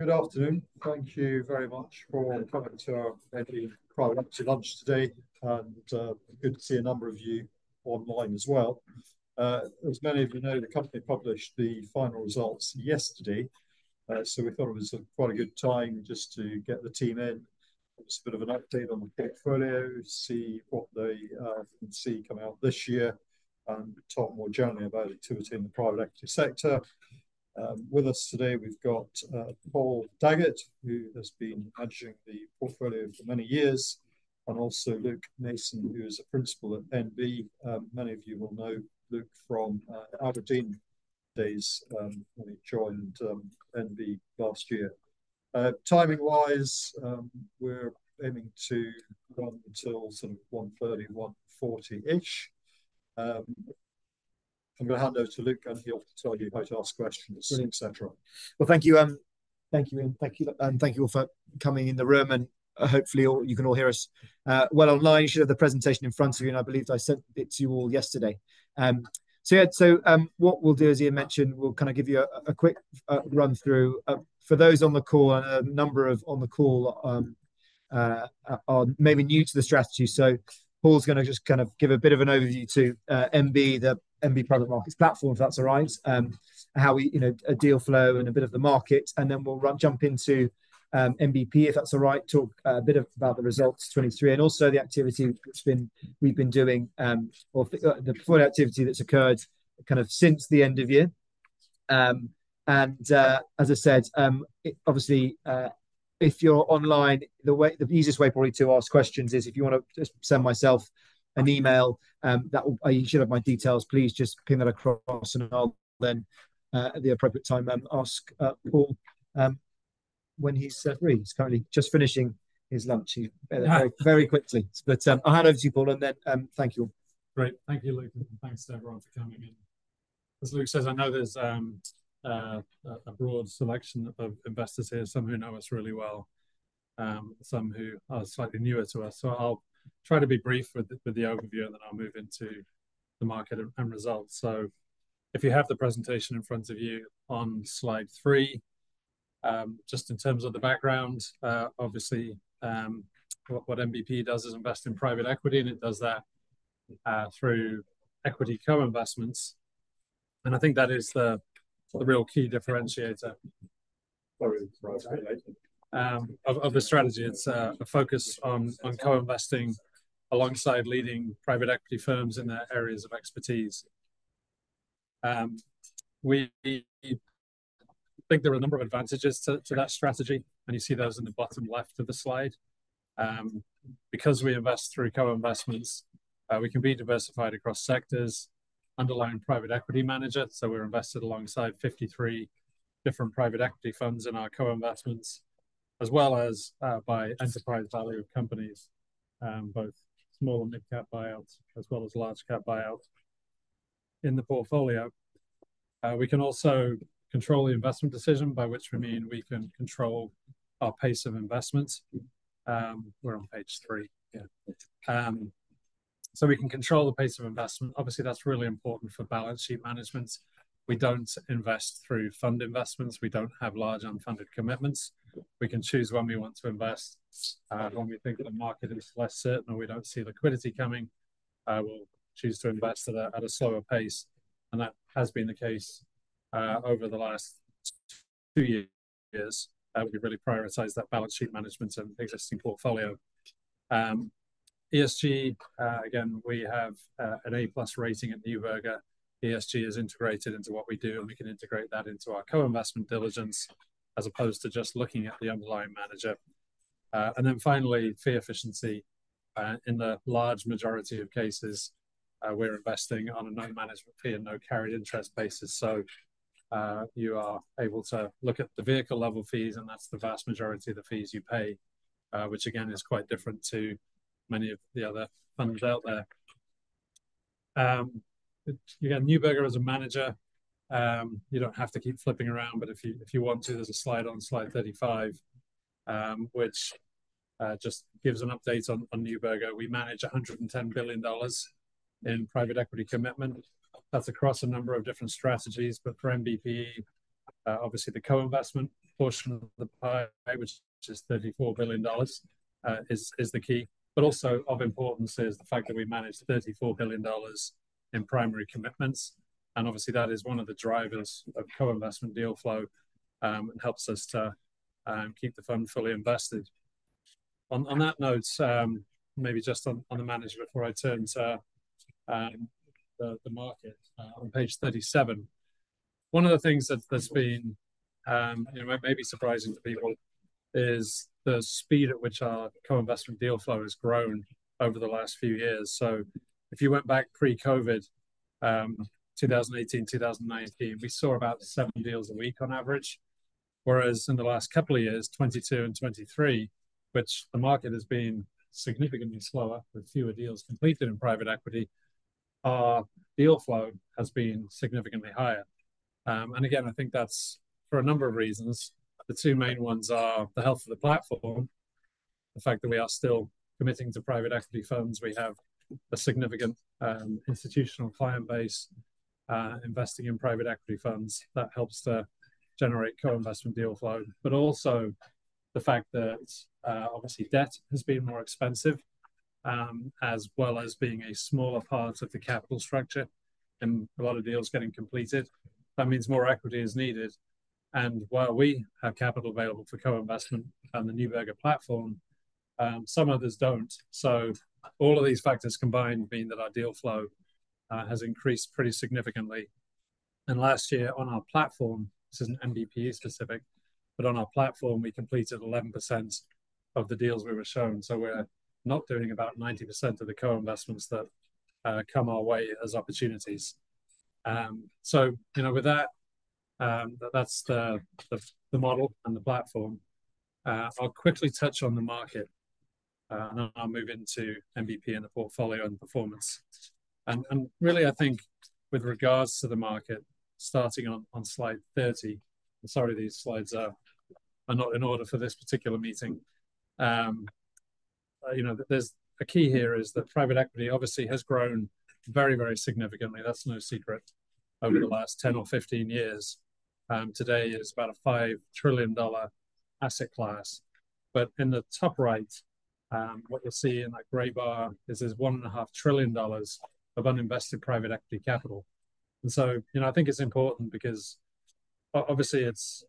Good afternoon. Thank you very much for coming to our monthly private equity lunch today, and, good to see a number of you online as well. As many of you know, the company published the final results yesterday, so we thought it was a quite a good time just to get the team in, just a bit of an update on the portfolio, see what they can see coming out this year, and talk more generally about activity in the private equity sector. With us today, we've got, Paul Daggett, who has been managing the portfolio for many years, and also Luke Mason, who is a principal at NB. Many of you will know Luke from, Aberdeen days, when he joined, NB last year. Timing-wise, we're aiming to run until sort of 1:30 P.M., 1:40 P.M.-ish. I'm gonna hand over to Luke, and he'll tell you how to ask questions, et cetera. Well, thank you, thank you, and thank you all for coming in the room, and hopefully, you can all hear us well online. You should have the presentation in front of you, and I believe I sent it to you all yesterday. So yeah, so what we'll do, as Ian mentioned, we'll kind of give you a quick run-through. For those on the call, a number of on the call are maybe new to the strategy, so Paul's gonna just kind of give a bit of an overview to NB, the NB Private Markets platform, if that's all right. How we, you know, deal flow and a bit of the market, and then we'll jump into NBPE, if that's all right. Talk a bit about the results 2023, and also the activity which we've been doing, or the activity that's occurred kind of since the end of year. As I said, it obviously, if you're online, the way. The easiest way probably to ask questions is if you wanna just send myself an email, that will, you should have my details. Please just ping that across, and I'll then at the appropriate time ask Paul when he's set free. He's currently just finishing his lunch very quickly. But, I'll hand over to you, Paul, and then, thank you. Great. Thank you, Luke, and thanks to everyone for coming in. As Luke says, I know there's a broad selection of investors here, some who know us really well, some who are slightly newer to us. So I'll try to be brief with the overview, and then I'll move into the market and results. So if you have the presentation in front of you on slide three, just in terms of the background, obviously, what NBPE does is invest in private equity, and it does that through equity co-investments, and I think that is the real key differentiator of a strategy. It's a focus on co-investing alongside leading private equity firms in their areas of expertise. We think there are a number of advantages to that strategy, and you see those in the bottom left of the slide. Because we invest through co-investments, we can be diversified across sectors, underlying private equity manager, so we're invested alongside 53 different private equity funds in our co-investments, as well as by enterprise value of companies, both small and mid-cap buyouts, as well as large-cap buyouts in the portfolio. We can also control the investment decision, by which we mean, we can control our pace of investments. We're on page three. Yeah. So we can control the pace of investment. Obviously, that's really important for balance sheet management. We don't invest through fund investments. We don't have large unfunded commitments. We can choose when we want to invest. When we think the market is less certain or we don't see liquidity coming, we'll choose to invest at a slower pace, and that has been the case over the last two years. We've really prioritized that balance sheet management and existing portfolio. ESG, again, we have an A+ rating at Neuberger. ESG is integrated into what we do, and we can integrate that into our co-investment diligence, as opposed to just looking at the underlying manager. And then finally, fee efficiency. In the large majority of cases, we're investing on a no management fee and no carried interest basis. So, you are able to look at the vehicle level fees, and that's the vast majority of the fees you pay, which again, is quite different to many of the other funds out there. You got Neuberger as a manager. You don't have to keep flipping around, but if you, if you want to, there's a slide on slide 35, which just gives an update on Neuberger. We manage $110 billion in private equity commitment. That's across a number of different strategies, but for NBPE, obviously, the co-investment portion of the pie, which is $34 billion, is the key. But also of importance is the fact that we manage $34 billion in primary commitments, and obviously, that is one of the drivers of co-investment deal flow, and helps us to keep the fund fully invested. On that note, maybe just on the management before I turn to the market on page 37. One of the things that that's been, maybe surprising to people is the speed at which our co-investment deal flow has grown over the last few years. So if you went back pre-COVID, 2018, 2019, we saw about seven deals a week on average. Whereas in the last couple of years, 2022 and 2023, which the market has been significantly slower, with fewer deals completed in private equity, our deal flow has been significantly higher. And again, I think that's for a number of reasons. The 2 main ones are the fact that we are still committing to private equity firms, we have a significant institutional client base investing in private equity firms. That helps to generate co-investment deal flow, but also the fact that, obviously debt has been more expensive, as well as being a smaller part of the capital structure and a lot of deals getting completed. That means more equity is needed, and while we have capital available for co-investment on the Neuberger platform, some others don't. So all of these factors combined mean that our deal flow has increased pretty significantly. And last year on our platform, this isn't NBPE specific, but on our platform, we completed 11% of the deals we were shown. So we're not doing about 90% of the co-investments that come our way as opportunities. So, you know, with that, that's the model and the platform. I'll quickly touch on the market, and then I'll move into NBPE and the portfolio and performance. And really, I think with regards to the market, starting on slide 30, I'm sorry these slides are not in order for this particular meeting. You know, a key here is that private equity obviously has grown very, very significantly, that's no secret, over the last 10 or 15 years. Today it's about a $5 trillion asset class. But in the top right, what you'll see in that grey bar is there's $1.5 trillion of uninvested private equity capital. And so, you know, I think it's important because obviously it's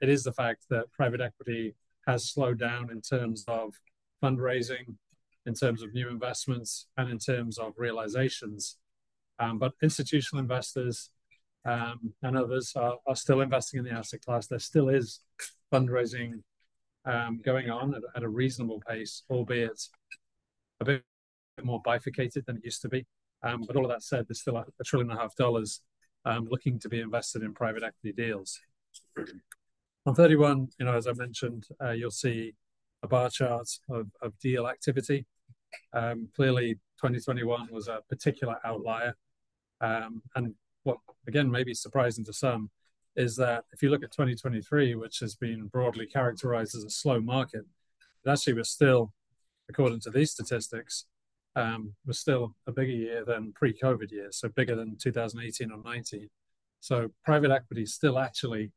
the fact that private equity has slowed down in terms of fundraising, in terms of new investments, and in terms of realizations. Institutional investors and others are still investing in the asset class. There still is fundraising going on at a reasonable pace, albeit a bit more bifurcated than it used to be. All of that said, there's still $1.5 trillion looking to be invested in private equity deals. On 31, you know, as I mentioned, you'll see a bar chart of deal activity. Clearly, 2021 was a particular outlier. What, again, may be surprising to some is that if you look at 2023, which has been broadly characterized as a slow market, it actually was still a bigger year than pre-COVID years, according to these statistics, so bigger than 2018 or 2019. So private equity is still actually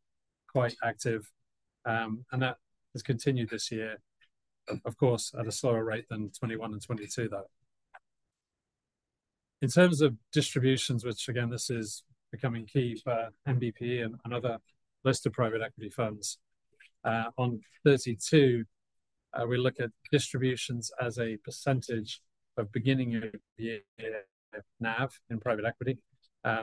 quite active, and that has continued this year, of course, at a slower rate than 2021 and 2022, though. In terms of distributions, which again, this is becoming key for NBPE and other listed private equity funds, in 2023, we look at distributions as a percentage of beginning of year NAV in private equity.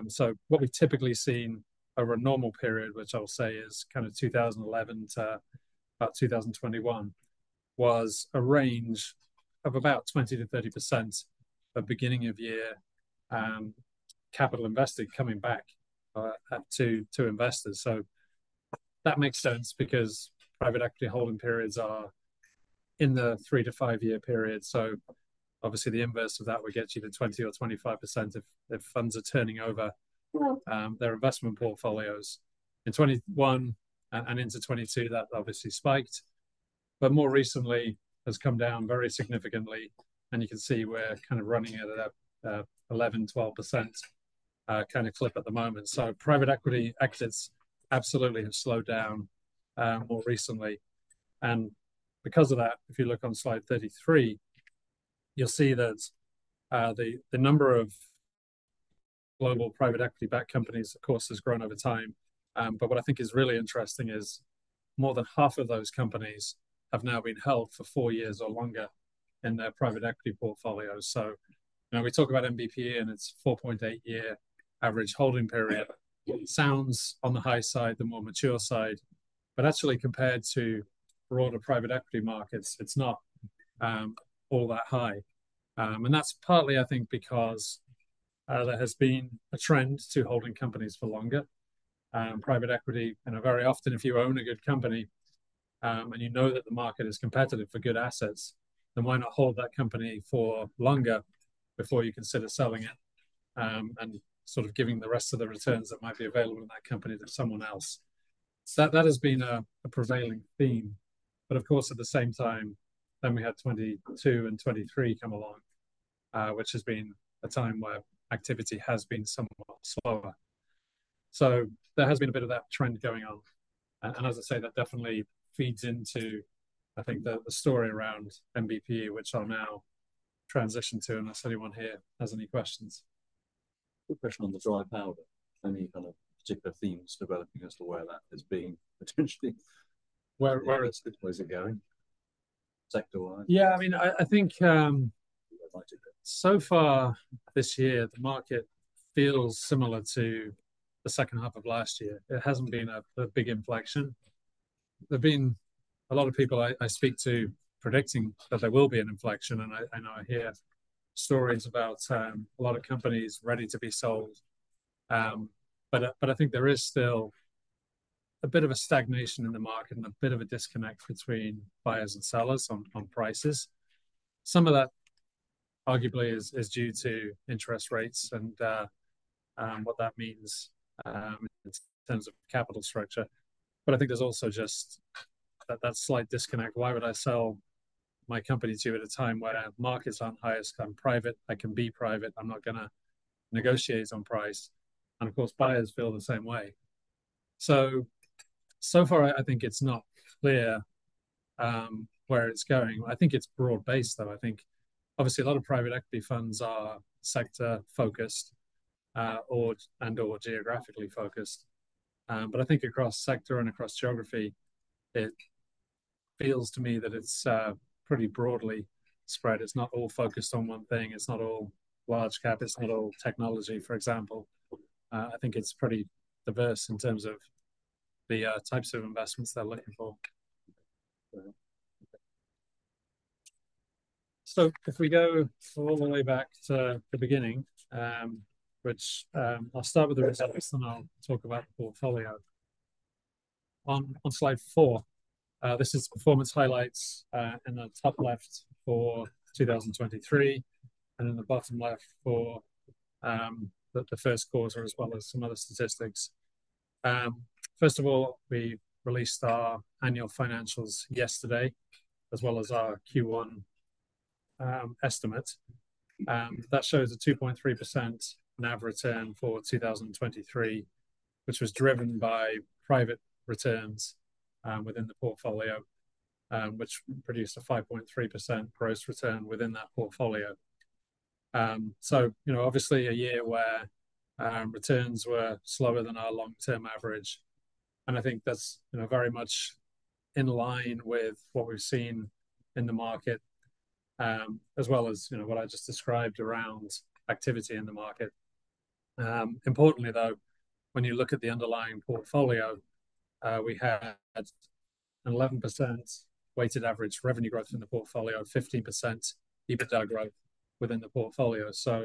So what we've typically seen over a normal period, which I'll say is kind of 2011 to about 2021, was a range of about 20%-30% of beginning of year capital invested coming back to investors. So that makes sense because private equity holding periods are in the three- to five-year period, so obviously the inverse of that would get you to 20% or 25% if funds are turning over their investment portfolios. In 2021 and into 2022, that obviously spiked, but more recently has come down very significantly, and you can see we're kind of running at a 11%-12% kind of clip at the moment. So private equity exits absolutely have slowed down more recently. And because of that, if you look on slide 33, you'll see that the number of global private equity-backed companies, of course, has grown over time. But what I think is really interesting is more than half of those companies have now been held for four years or longer in their private equity portfolios. So when we talk about NBPE and its 4.8-year average holding period, it sounds on the high side, the more mature side, but actually, compared to broader private equity markets, it's not all that high. And that's partly, I think, because there has been a trend to holding companies for longer. Private equity, you know, very often, if you own a good company, and you know that the market is competitive for good assets, then why not hold that company for longer before you consider selling it, and sort of giving the rest of the returns that might be available in that company to someone else? So that has been a prevailing theme, but of course, at the same time, then we had 2022 and 2023 come along, which has been a time where activity has been somewhat slower. So there has been a bit of that trend going on, and as I say, that definitely feeds into, I think, the story around NBPE, which I'll now transition to, unless anyone here has any questions. Quick question on the dry powder. Any kind of particular themes developing as to where that is being potentially Where is- Where is it going sector-wide? Yeah, I mean, I think, If I did it. So far this year, the market feels similar to the second half of last year. It hasn't been a big inflection. There've been a lot of people I speak to predicting that there will be an inflection, and I hear stories about a lot of companies ready to be sold. But I think there is still a bit of a stagnation in the market and a bit of a disconnect between buyers and sellers on prices. Some of that arguably is due to interest rates and what that means in terms of capital structure. But I think there's also just that slight disconnect. Why would I sell my company to you at a time where markets aren't highest on private? I can be private, I'm not gonna negotiate on price, and of course, buyers feel the same way. So, so far, I think it's not clear, where it's going. I think it's broad-based, though. I think obviously, a lot of private equity funds are sector-focused, or, and/or geographically focused. But I think across sector and across geography, it feels to me that it's, pretty broadly spread. It's not all focused on one thing. It's not all large cap, it's not all technology, for example. I think it's pretty diverse in terms of the, types of investments they're looking for. So if we go all the way back to the beginning, which, I'll start with the results, then I'll talk about the portfolio. On slide four, this is performance highlights, in the top left for 2023, and in the bottom left for the first quarter, as well as some other statistics. First of all, we released our annual financials yesterday, as well as our Q1 estimate. That shows a 2.3% NAV return for 2023, which was driven by private returns within the portfolio, which produced a 5.3% gross return within that portfolio. So, you know, obviously, a year where returns were slower than our long-term average, and I think that's, you know, very much in line with what we've seen in the market, as well as, you know, what I just described around activity in the market. Importantly, though, when you look at the underlying portfolio, we had an 11% weighted average revenue growth in the portfolio, 15% EBITDA growth within the portfolio. So,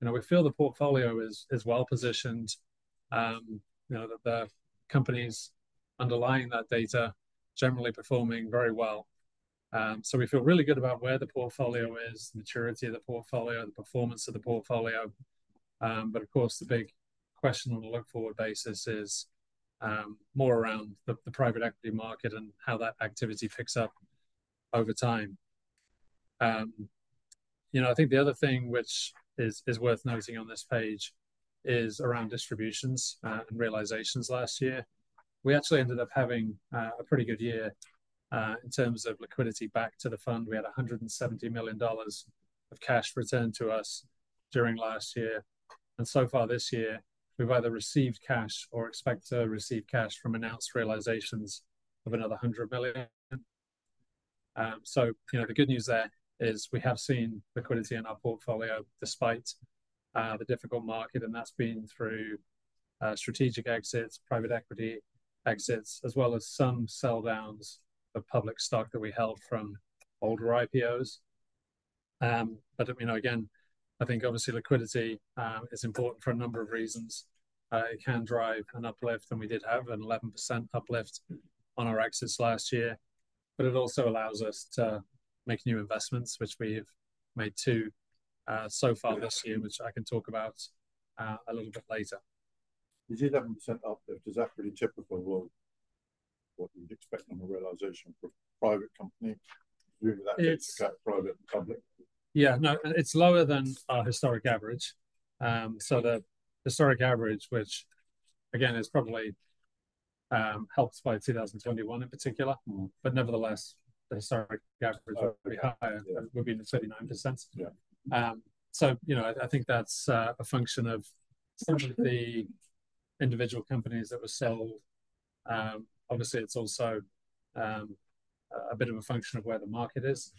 you know, we feel the portfolio is, is well positioned, you know, that the companies underlying that data generally performing very well. So we feel really good about where the portfolio is, the maturity of the portfolio, the performance of the portfolio. But of course, the big question on a look-forward basis is, more around the, the private equity market and how that activity picks up over time. You know, I think the other thing, which is, is worth noting on this page is around distributions, and realizations last year. We actually ended up having, a pretty good year, in terms of liquidity back to the fund. We had $170 million of cash returned to us during last year, and so far this year, we've either received cash or expect to receive cash from announced realizations of another $100 million. So you know, the good news there is we have seen liquidity in our portfolio despite, the difficult market, and that's been through, strategic exits, private equity exits, as well as some sell downs of public stock that we held from older IPOs. But, you know, again, I think obviously liquidity, is important for a number of reasons. It can drive an uplift, and we did have an 11% uplift on our exits last year, but it also allows us to make new investments, which we've made 2, so far this year, which I can talk about, a little bit later. The 11% uplift, is that pretty typical of what you'd expect on the realization for a private company? Given that. It's. Private and public. Yeah, no, it's lower than our historic average. So the historic average, which again, is probably helped by 2021 in particular. Nevertheless, the historic average would be higher, would be the 39%. Yeah. So, you know, I think that's a function of some of the individual companies that were sold. Obviously, it's also a bit of a function of where the market is.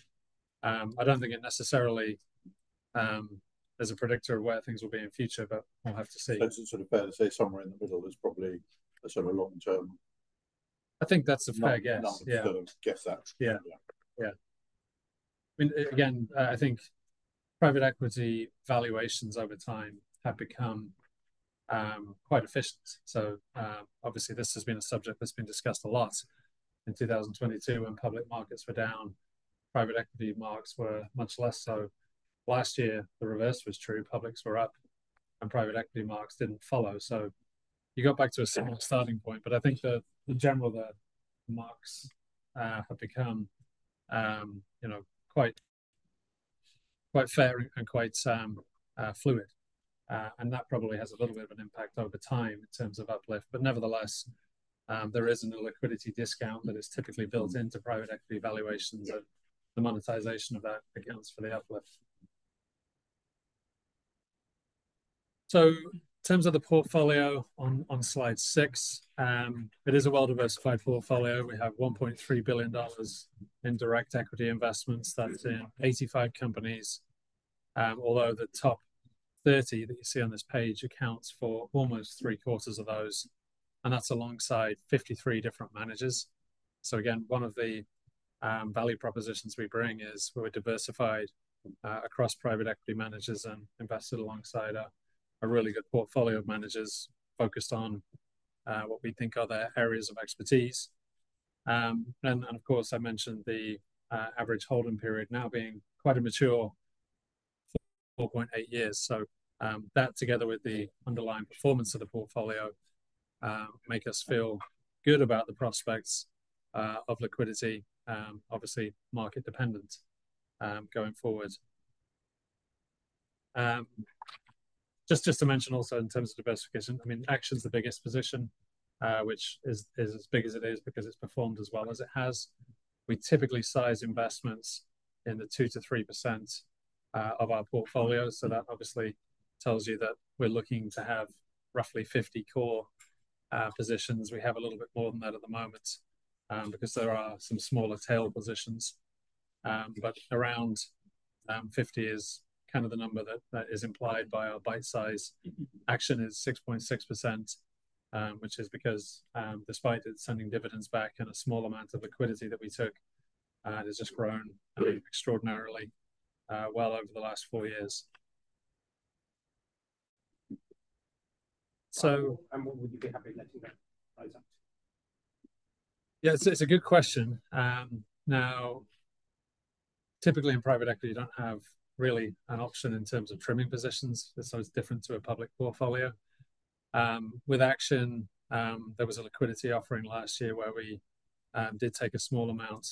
I don't think it necessarily is a predictor of where things will be in future, but we'll have to see. So it's sort of fair to say somewhere in the middle is probably a sort of a long term. I think that's a fair guess. Not, not a guess actually. Yeah. Yeah. I mean, again, I think private equity valuations over time have become quite efficient. So, obviously, this has been a subject that's been discussed a lot. In 2022, when public markets were down, private equity markets were much less so. Last year, the reverse was true. Publics were up, and private equity markets didn't follow. So you got back to a similar starting point, but I think the, in general, the markets have become, you know, quite, quite fair and quite fluid. And that probably has a little bit of an impact over time in terms of uplift, but nevertheless, there is no liquidity discount that is typically built into private equity valuations, and the monetization of that accounts for the uplift. In terms of the portfolio on slide six, it is a well-diversified portfolio. We have $1.3 billion in direct equity investments. That's in 85 companies, although the top 30 that you see on this page accounts for almost three-quarters of those, and that's alongside 53 different managers. So again, one of the value propositions we bring is we're diversified across private equity managers and invested alongside a really good portfolio of managers focused on what we think are their areas of expertise. And of course, I mentioned the average holding period now being quite immature, 4.8 years. So, that together with the underlying performance of the portfolio make us feel good about the prospects of liquidity, obviously, market dependent, going forward. Just to mention also in terms of diversification, I mean, Action's the biggest position, which is as big as it is because it's performed as well as it has. We typically size investments in the 2%-3% of our portfolio, so that obviously tells you that we're looking to have roughly 50 core positions. We have a little bit more than that at the moment because there are some smaller tail positions. But around 50 is kind of the number that is implied by our bite size. Action is 6.6%, which is because, despite it sending dividends back and a small amount of liquidity that we took, it has just grown extraordinarily well over the last four years. So. What would you be happy letting that rise up to? Yeah, it's a good question. Now, typically in private equity, you don't have really an option in terms of trimming positions, so it's different to a public portfolio. With Action, there was a liquidity offering last year where we did take a small amount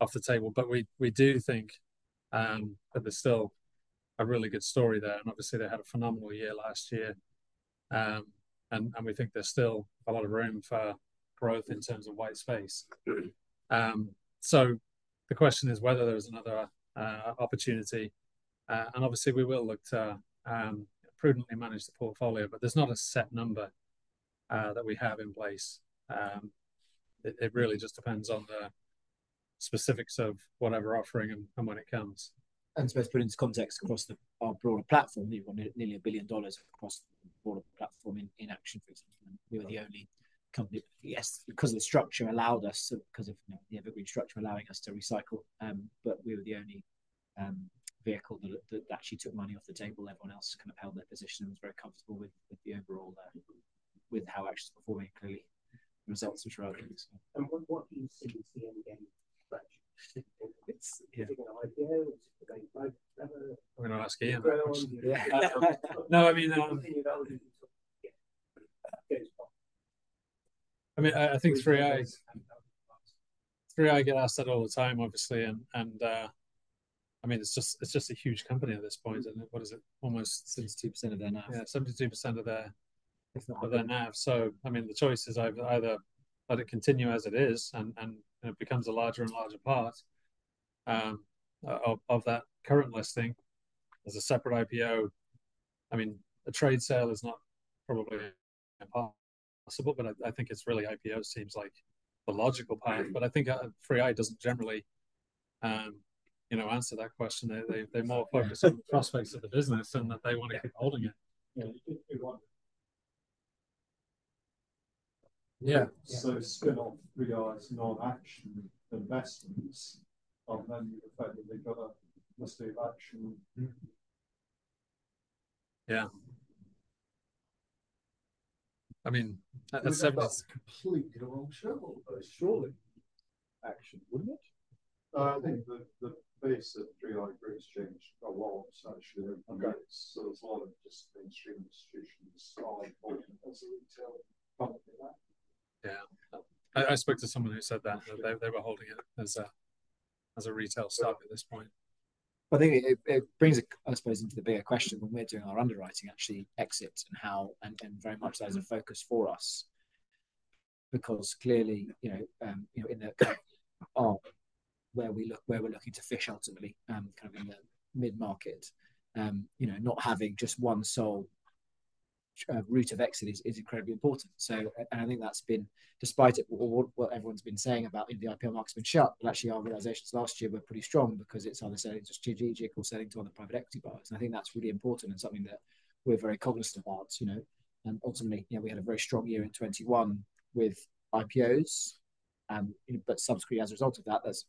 off the table, but we do think that there's still a really good story there, and obviously they had a phenomenal year last year. And we think there's still a lot of room for growth in terms of white space. So the question is whether there is another opportunity, and obviously we will look to prudently manage the portfolio, but there's not a set number that we have in place. It really just depends on the specifics of whatever offering and when it comes. I suppose put into context across our broader platform, nearly $1 billion across all of the platform in Action, for example. We were the only company—Yes, because of the structure allowed us to, 'cause of, you know, the evergreen structure allowing us to recycle, but we were the only vehicle that actually took money off the table. Everyone else kind of held their position and was very comfortable with the overall, with how Action's performing. Clearly, the results are strong. What do you see in the game? It's- Do you have an idea? No, I mean, Yeah. I mean, I think 3i, 3i, I get asked that all the time, obviously, and, and, I mean, it's just, it's just a huge company at this point. And what is it? Almost. 62% of their NAV. Yeah, 72% of their. Of their NAV. So, I mean, the choice is either let it continue as it is, and it becomes a larger and larger part of that current listing as a separate IPO. I mean, a trade sale is not probably possible, but I think it's really IPO seems like the logical part. But I think, 3i doesn't generally, you know, answer that question. They, they're more focused on the prospects of the business and that they wanna keep holding it. Yeah, you want. Yeah. Yeah. So, spin-off 3i's non-Action investments, and then you effectively got a list of Action. Mm-hmm. Yeah. I mean, as I said. That's completely the wrong show, surely, Action, wouldn't it? I think the base of 3i has changed a lot, so I'm sure. I mean, so there's a lot of just mainstream institutions as a retail. Yeah. I spoke to someone who said that they were holding it as a retail stock at this point. I think it brings it, I suppose, into the bigger question when we're doing our underwriting, actually exits and how. And very much as a focus for us. Because clearly, you know, you know, in the, where we're looking to fish, ultimately, kind of in the mid-market, you know, not having just one sole route of exit is incredibly important. So, and I think that's been, despite it, what everyone's been saying about the IPO market's been shut, but actually, our realizations last year were pretty strong because it's either selling to strategic or selling to other private equity buyers. I think that's really important and something that we're very cognizant of, you know, and ultimately, you know, we had a very strong year in 2021 with IPOs, but subsequently, as a result of that, that's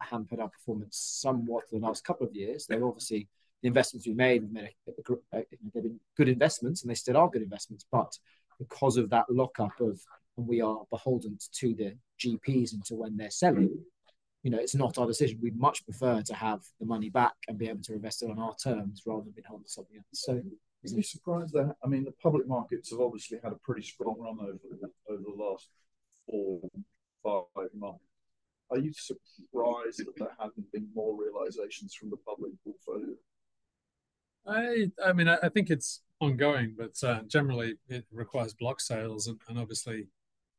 hampered our performance somewhat for the last couple of years. Then obviously, the investments we made were many, they've been good investments, and they still are good investments, but because of that lockup of, and we are beholden to the GPs until when they're selling, you know, it's not our decision. We'd much prefer to have the money back and be able to invest it on our terms, rather than being held on something else. So. Is it a surprise that, I mean, the public markets have obviously had a pretty strong run over the last 4-5 months? Are you surprised that there haven't been more realizations from the public portfolio? I mean, I think it's ongoing, but generally, it requires block sales, and obviously,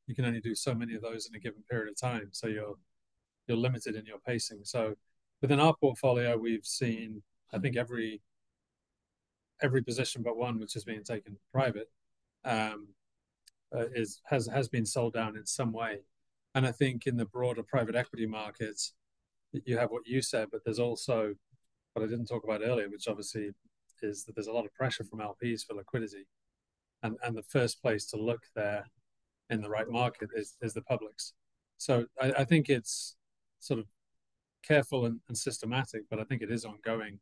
you can only do so many of those in a given period of time, so you're limited in your pacing. So within our portfolio, we've seen, I think every position but one, which is being taken private, has been sold down in some way. And I think in the broader private equity markets, you have what you said, but there's also, what I didn't talk about earlier, which obviously is that there's a lot of pressure from LPs for liquidity, and the first place to look there in the right market is the publics. So I think it's sort of careful and systematic, but I think it is ongoing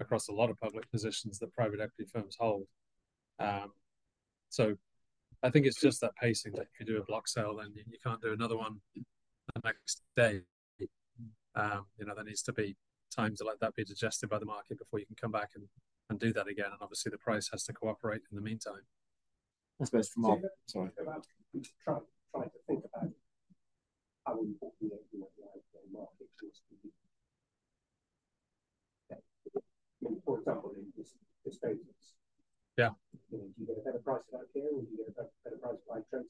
across a lot of public positions that private equity firms hold. So I think it's just that pacing, that if you do a block sale, then you can't do another one the next day. You know, there needs to be time to let that be digested by the market before you can come back and, and do that again, and obviously, the price has to cooperate in the meantime. I suppose from our side. Do you get a better price out there? Would you get a better price by trends?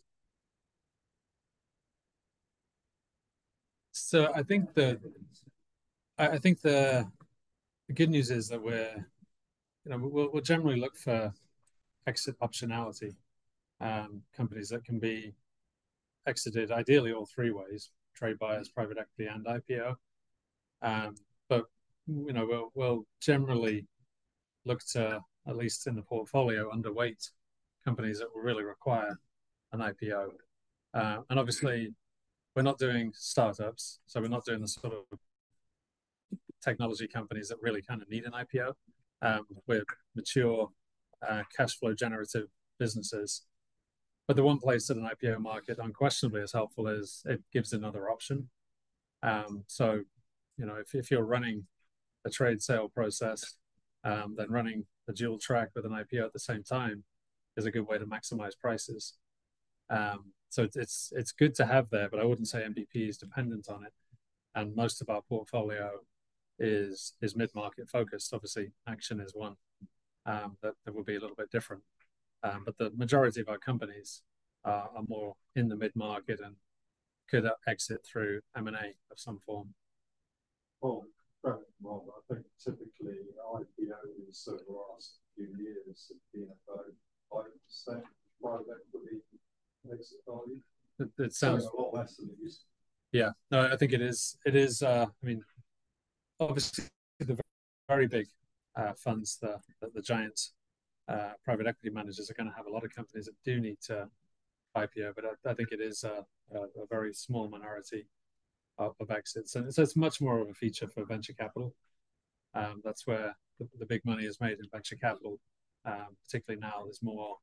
So I think the good news is that we're, you know, we'll generally look for exit optionality, companies that can be exited, ideally all three ways: trade buyers, private equity, and IPO. But, you know, we'll generally look to, at least in the portfolio, underweight companies that will really require an IPO. And obviously, we're not doing start-ups, so we're not doing the sort of technology companies that really kind of need an IPO, with mature, cashflow-generative businesses. But the one place that an IPO market unquestionably is helpful is it gives another option. So, you know, if you're running a trade sale process, then running a dual track with an IPO at the same time is a good way to maximize prices. So it's good to have there, but I wouldn't say NBPE is dependent on it, and most of our portfolio is mid-market focused. Obviously, Action is one, that would be a little bit different. But the majority of our companies are more in the mid-market and could exit through M&A of some form. Well, well, I think typically, you know, over the several last few years have been about 5% private equity exit value. It sounds. A lot less than it is. Yeah. No, I think it is. It is, I mean, obviously, the very big funds, the giants private equity managers are gonna have a lot of companies that do need to IPO, but I think it is a very small minority of exits. And so it's much more of a feature for venture capital. That's where the big money is made in venture capital, particularly now, there's more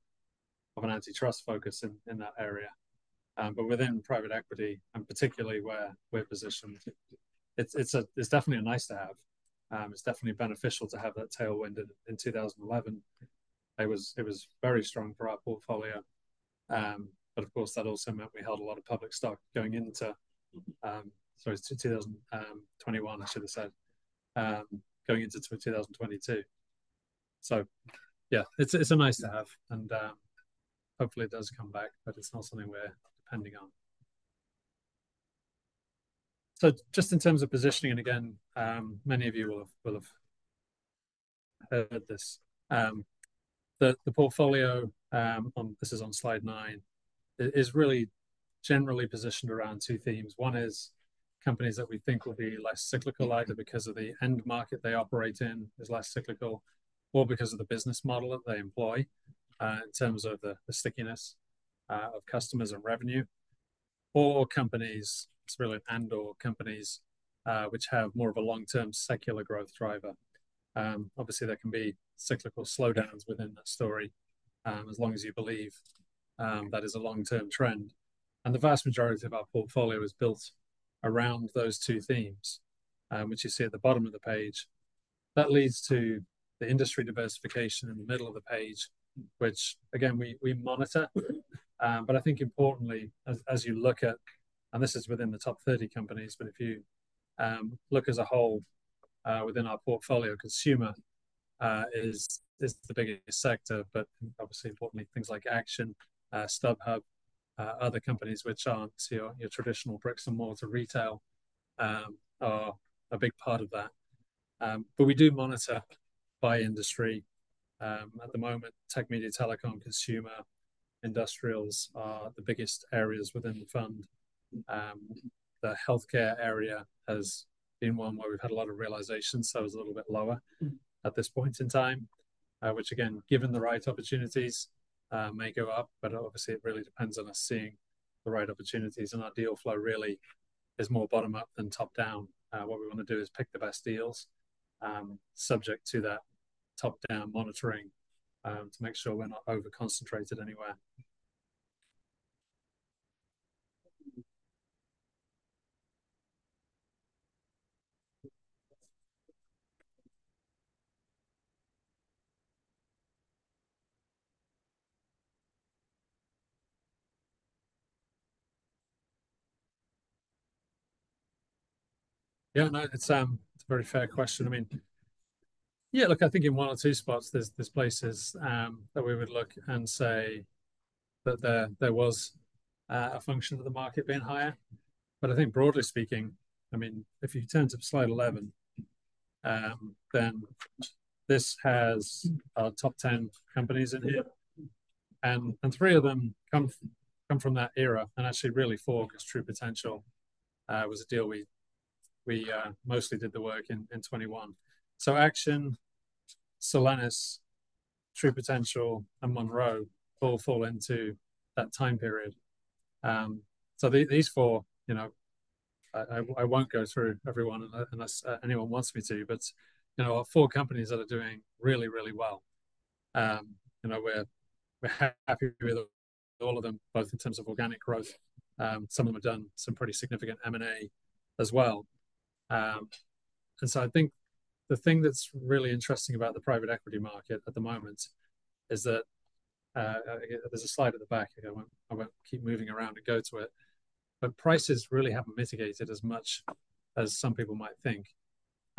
of an antitrust focus in that area. But within private equity, and particularly where we're positioned, it's. It's definitely a nice to have. It's definitely beneficial to have that tailwind in 2011. It was, it was very strong for our portfolio, but of course, that also meant we held a lot of public stock going into, sorry, 2021, I should have said, going into 2022. So yeah, it's, it's a nice to have, and, hopefully, it does come back, but it's not something we're depending on. So just in terms of positioning, and again, many of you will have, will have heard this. The, the portfolio, on, this is on slide nine, is, is really generally positioned around two themes. One is companies that we think will be less cyclical, either because of the end market they operate in is less cyclical, or because of the business model that they employ, in terms of the stickiness of customers and revenue, or companies, really, and/or companies, which have more of a long-term secular growth driver. Obviously, there can be cyclical slowdowns within that story, as long as you believe that is a long-term trend. And the vast majority of our portfolio is built around those two themes, which you see at the bottom of the page. That leads to the industry diversification in the middle of the page, which again, we monitor. But I think importantly, as you look at, and this is within the top 30 companies, but if you look as a whole, within our portfolio, consumer is the biggest sector, but obviously, importantly, things like Action, StubHub, other companies which aren't your traditional bricks and mortar retail, are a big part of that. But we do monitor by industry. At the moment, tech, media, telecom, consumer, industrials are the biggest areas within the fund. The healthcare area has been one where we've had a lot of realizations, so it's a little bit lower at this point in time, which again, given the right opportunities, may go up, but obviously, it really depends on us seeing the right opportunities, and our deal flow really is more bottom up than top down. What we wanna do is pick the best deals, subject to that top-down monitoring, to make sure we're not over-concentrated anywhere. Yeah, no, it's a very fair question. I mean, yeah, look, I think in one or two spots, there's places that we would look and say that there was a function of the market being higher. But I think broadly speaking, I mean, if you turn to slide 11, then this has our top 10 companies in here, and three of them come from that era, and actually really four, because True Potential was a deal we mostly did the work in, in 2021. So Action, Solenis, True Potential and Monroe all fall into that time period. So these four, you know, I won't go through every one unless anyone wants me to, but, you know, are four companies that are doing really, really well. You know, we're happy with all of them, both in terms of organic growth, some of them have done some pretty significant M&A as well. And so I think the thing that's really interesting about the private equity market at the moment is that there's a slide at the back. I won't keep moving around to go to it, but prices really haven't mitigated as much as some people might think,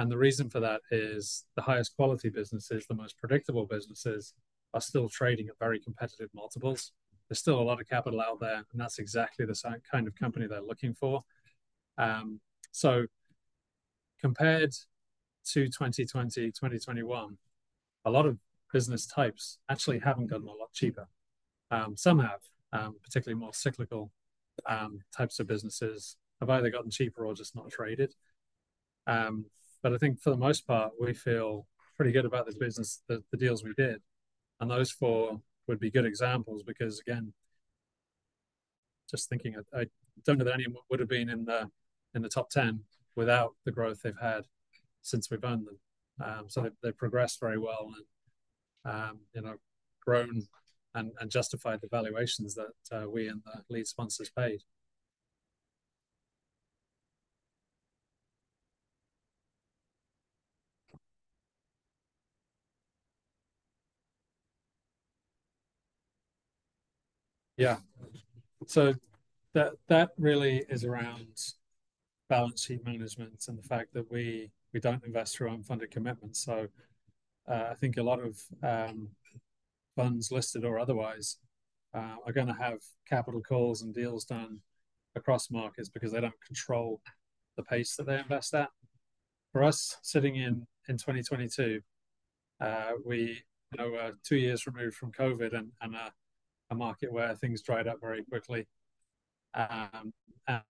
and the reason for that is the highest quality businesses, the most predictable businesses, are still trading at very competitive multiples. There's still a lot of capital out there, and that's exactly the same kind of company they're looking for. So compared to 2020, 2021, a lot of business types actually haven't gotten a lot cheaper. Some have, particularly more cyclical types of businesses have either gotten cheaper or just not traded. But I think for the most part, we feel pretty good about this business, the deals we did, and those four would be good examples. Because again, just thinking, I don't know that any of them would've been in the top 10 without the growth they've had since we've owned them. So they've progressed very well and, you know, grown and justified the valuations that we and the lead sponsors paid. Yeah. So that, that really is around balance sheet management and the fact that we, we don't invest through unfunded commitments, so, I think a lot of funds, listed or otherwise, are gonna have capital calls and deals done across markets because they don't control the pace that they invest at. For us, sitting in, in 2022, we, you know, were two years removed from COVID and, and, a market where things dried up very quickly. And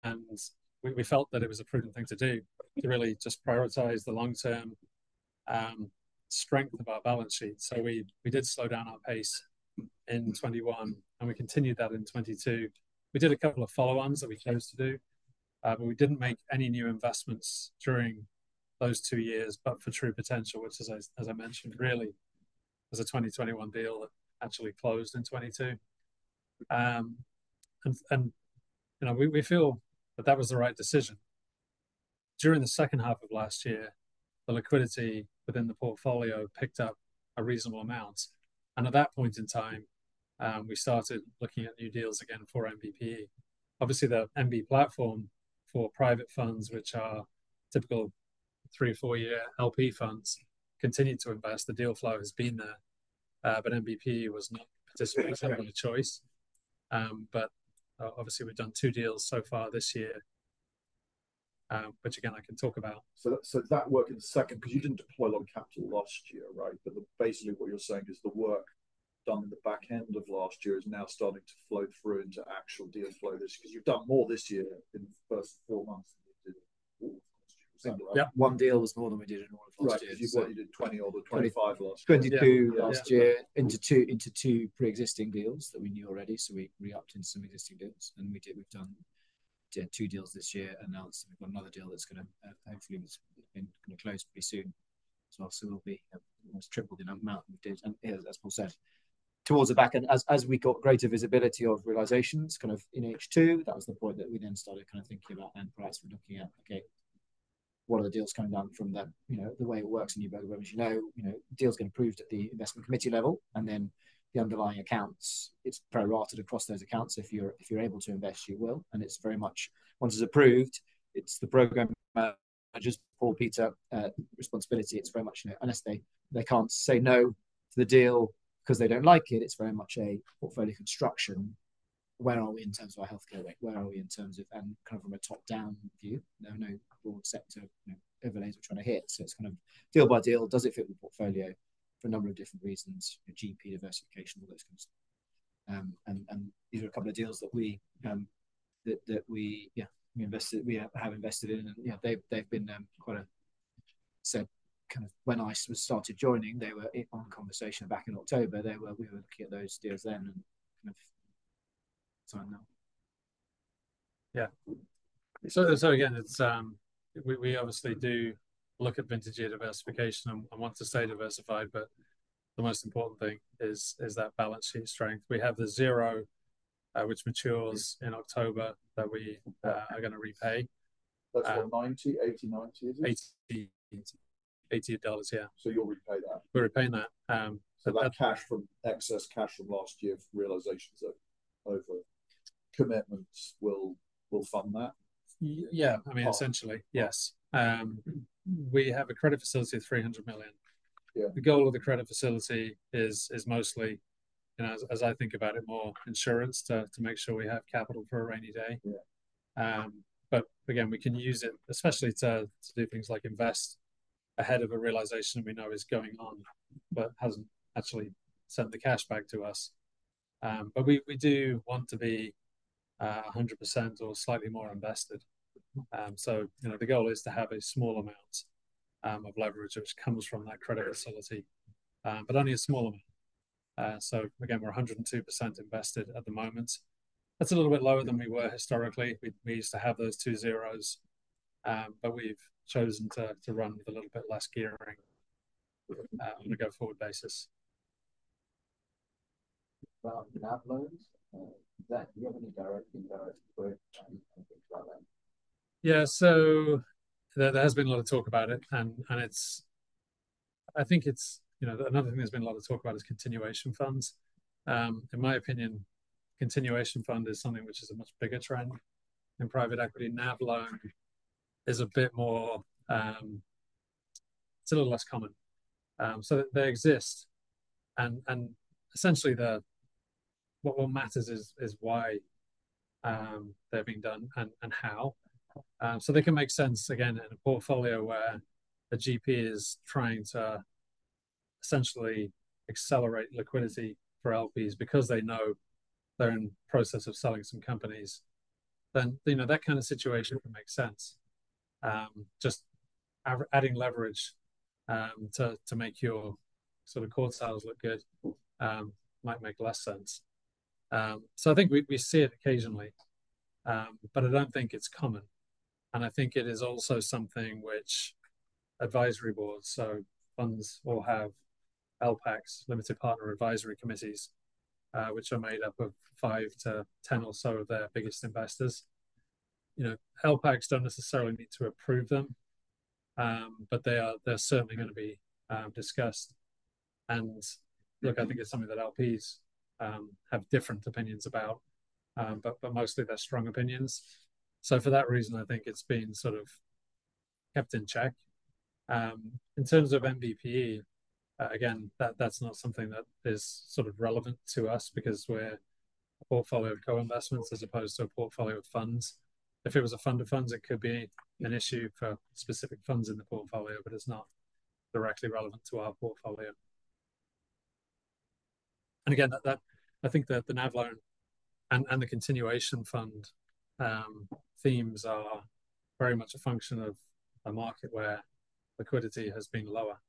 we, we felt that it was a prudent thing to do, to really just prioritize the long-term strength of our balance sheet. So we, we did slow down our pace in 2021, and we continued that in 2022. We did a couple of follow-ons that we chose to do, but we didn't make any new investments during those two years. But for True Potential, which is, as I mentioned, really was a 2021 deal that actually closed in 2022. And, and, you know, we, we feel that that was the right decision. During the second half of last year, the liquidity within the portfolio picked up a reasonable amount, and at that point in time, we started looking at new deals again for NBPE. Obviously, the NB platform for private funds, which are typical three- or four-year LP funds, continued to invest. The deal flow has been there, but NBPE was not participating for want of a choice. But, obviously, we've done two deals so far this year, which again, I can talk about. So, that work in the second, 'cause you didn't deploy a lot of capital last year, right? But basically, what you're saying is the work done in the back end of last year is now starting to flow through into actual deal flow this 'Cause you've done more this year in the first 4 months than you did all of last year. Is that right? Yeah, one deal was more than we did in all of last year. Right, you said you did 20 or 25 last year. 22 last year. Yeah. Into two pre-existing deals that we knew already, so we re-upped in some existing deals, and we've done two deals this year. Announced, we've got another deal that's gonna, hopefully, it's gonna close pretty soon. So we'll be almost tripled in amount of deals. And as Paul said, towards the back end, as we got greater visibility of realizations kind of in H2, that was the point that we then started kind of thinking about end price. We're looking at, Okay, what are the deals coming down from the-- you know, the way it works in new programs, you know, deals get approved at the investment committee level, and then the underlying accounts, it's prorated across those accounts. If you're able to invest, you will, and it's very much once it's approved, it's the program, just for Peter's responsibility. It's very much, you know, unless they can't say no to the deal 'cause they don't like it, it's very much a portfolio construction. Where are we in terms of our healthcare? Where are we in terms of. And kind of from a top-down view. No, no broad sector, you know, overlays we're trying to hit. So it's kind of deal by deal. Does it fit the portfolio for a number of different reasons, GP diversification, all those kinds of things. And these are a couple of deals that we that we, yeah, we invested—we have invested in, and, you know, they've been quite a. So kind of when I sort of started joining, they were in conversation back in October. We were looking at those deals then and kind of signed them. Yeah. So again, it's we obviously do look at vintage year diversification, and I want to stay diversified, but the most important thing is that balance sheet strength. We have the zero which matures in October that we are gonna repay. That's what, 90, 80, 90 it is? $80, yeah. So you'll repay that? We're repaying that. That cash from excess cash from last year's realizations of over commitments will fund that? Yeah. I mean, essentially, yes. We have a credit facility of $300 million. Yeah. The goal of the credit facility is mostly, you know, as I think about it, more insurance to make sure we have capital for a rainy day. Yeah. But again, we can use it, especially to do things like invest ahead of a realization we know is going on, but hasn't actually sent the cash back to us. But we do want to be 100% or slightly more invested. So, you know, the goal is to have a small amount of leverage, which comes from that credit facility, but only a small amount. So again, we're 102% invested at the moment. That's a little bit lower than we were historically. We used to have those two zeros, but we've chosen to run with a little bit less gearing on a go-forward basis. Well, NAV loans that you have any direct interest with? Yeah. So there has been a lot of talk about it, and it's—I think it's, you know, another thing there's been a lot of talk about is continuation funds. In my opinion, continuation fund is something which is a much bigger trend in private equity. NAV loan is a bit more, it's a little less common. So they exist, and essentially, what matters is why they're being done and how. So they can make sense, again, in a portfolio where a GP is trying to essentially accelerate liquidity for LPs because they know they're in the process of selling some companies. Then, you know, that kind of situation would make sense. Just adding leverage, to make your sort of core sales look good, might make less sense. So I think we see it occasionally, but I don't think it's common, and I think it is also something which advisory boards—so funds will have LPACs, limited partner advisory committees, which are made up of five-ten or so of their biggest investors. You know, LPACs don't necessarily need to approve them, but they are. They're certainly gonna be discussed. And look, I think it's something that LPs have different opinions about, but mostly they're strong opinions. So for that reason, I think it's been sort of kept in check. In terms of NBPE, again, that's not something that is sort of relevant to us because we're a portfolio of co-investments as opposed to a portfolio of funds. If it was a fund of funds, it could be an issue for specific funds in the portfolio, but it's not directly relevant to our portfolio. And again, I think the NAV loan and the continuation fund themes are very much a function of a market where liquidity has been lower.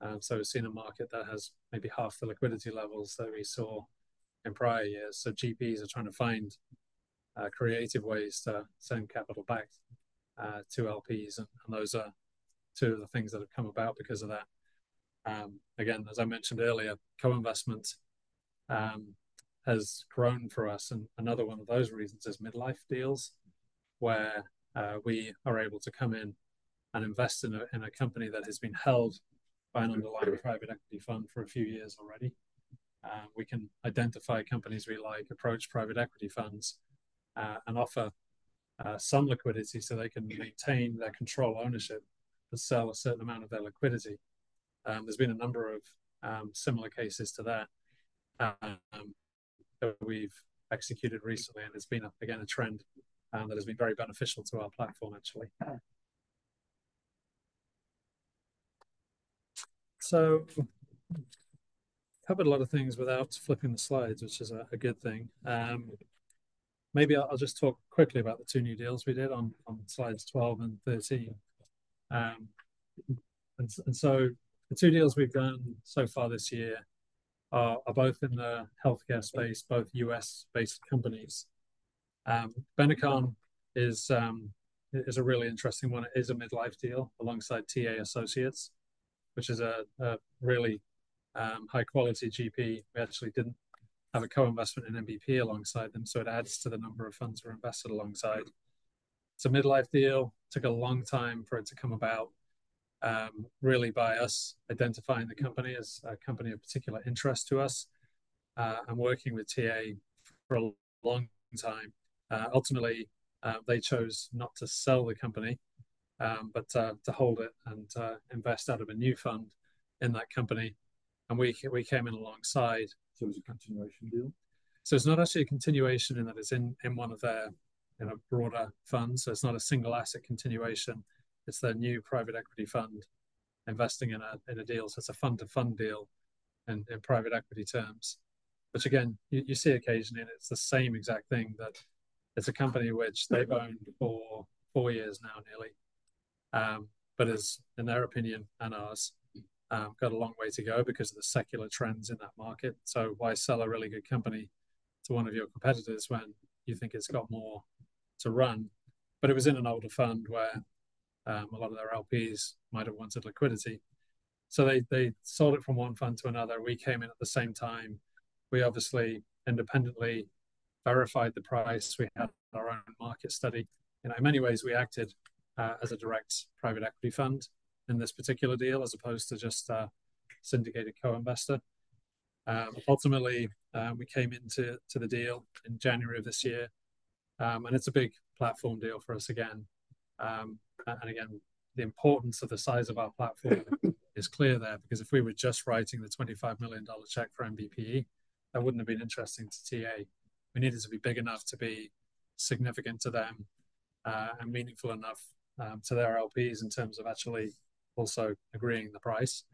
And so we've seen a market that has maybe half the liquidity levels that we saw in prior years. So GPs are trying to find creative ways to send capital back to LPs, and those are two of the things that have come about because of that. Again, as I mentioned earlier, co-investment has grown for us, and another one of those reasons is midlife deals, where we are able to come in and invest in a company that has been held by an underlying private equity fund for a few years already. We can identify companies we like, approach private equity funds, and offer some liquidity so they can maintain their control ownership, but sell a certain amount of their liquidity. There's been a number of similar cases to that that we've executed recently, and it's been, again, a trend that has been very beneficial to our platform actually. So covered a lot of things without flipping the slides, which is a good thing. Maybe I'll just talk quickly about the two new deals we did on slides 12 and 13. So the two deals we've done so far this year are both in the healthcare space, both U.S.-based companies. Benecon is a really interesting one. It is a midlife deal alongside TA Associates, which is a really high quality GP. We actually didn't have a co-investment in NBPE alongside them, so it adds to the number of funds we're invested alongside. It's a midlife deal. Took a long time for it to come about, really by us identifying the company as a company of particular interest to us, and working with TA for a long time. Ultimately, they chose not to sell the company, but to hold it and invest out of a new fund in that company, and we came in alongside. It was a continuation deal? So it's not actually a continuation in that it's in one of their, you know, broader funds. So it's not a single asset continuation. It's their new private equity fund investing in a deal. So it's a fund-to-fund deal in private equity terms, which again, you see occasionally, and it's the same exact thing that it's a company which they've owned for four years now, nearly. But as in their opinion, and ours, got a long way to go because of the secular trends in that market. So why sell a really good company to one of your competitors when you think it's got more to run? But it was in an older fund where a lot of their LPs might have wanted liquidity. So they sold it from one fund to another. We came in at the same time. We obviously independently verified the price. We had our own market study. You know, in many ways, we acted as a direct private equity fund in this particular deal, as opposed to just a syndicated co-investor. Ultimately, we came into the deal in January of this year, and it's a big platform deal for us again. And again, the importance of the size of our platform is clear there, because if we were just writing the $25 million check for NBPE, that wouldn't have been interesting to TA. We needed to be big enough to be significant to them, and meaningful enough to their LPs in terms of actually also agreeing the price.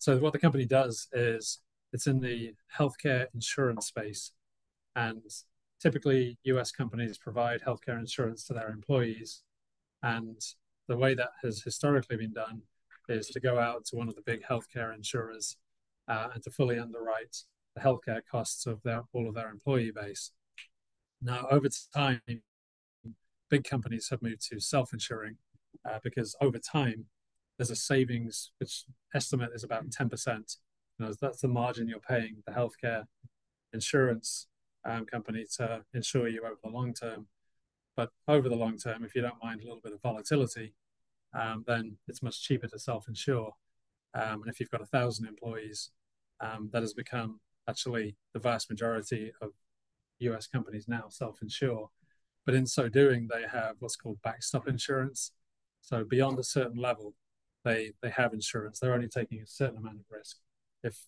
So what the company does is it's in the healthcare insurance space, and typically, U.S. companies provide healthcare insurance to their employees. And the way that has historically been done is to go out to one of the big healthcare insurers, and to fully underwrite the healthcare costs of their, all of their employee base. Now, over time, big companies have moved to self-insuring, because over time, there's a savings, which estimate is about 10%. You know, that's the margin you're paying the healthcare insurance company to insure you over the long term. But over the long term, if you don't mind a little bit of volatility, then it's much cheaper to self-insure. And if you've got 1,000 employees, that has become. Actually, the vast majority of U.S. companies now self-insure, but in so doing, they have what's called backstop insurance. So beyond a certain level, they have insurance. They're only taking a certain amount of risk. If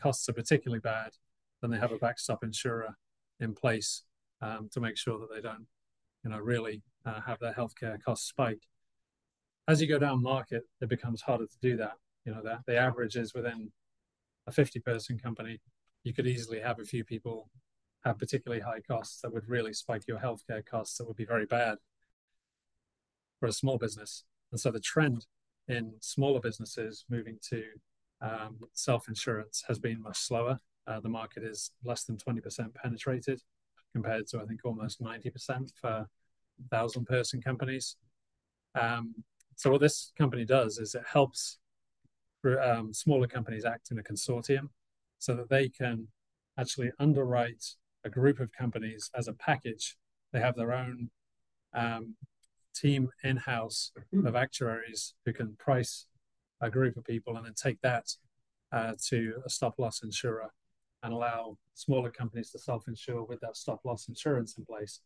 costs are particularly bad, then they have a backstop insurer in place to make sure that they don't, you know, really have their healthcare costs spiked. As you go down-market, it becomes harder to do that. You know, the average is within a 50-person company, you could easily have a few people have particularly high costs that would really spike your healthcare costs. That would be very bad for a small business. And so the trend in smaller businesses moving to self-insurance has been much slower. The market is less than 20% penetrated, compared to, I think, almost 90% for 1,000-person companies. So what this company does is it helps smaller companies act in a consortium, so that they can actually underwrite a group of companies as a package. They have their own team in-house of actuaries who can price a group of people, and then take that to a stop-loss insurer and allow smaller companies to self-insure with that stop-loss insurance in place.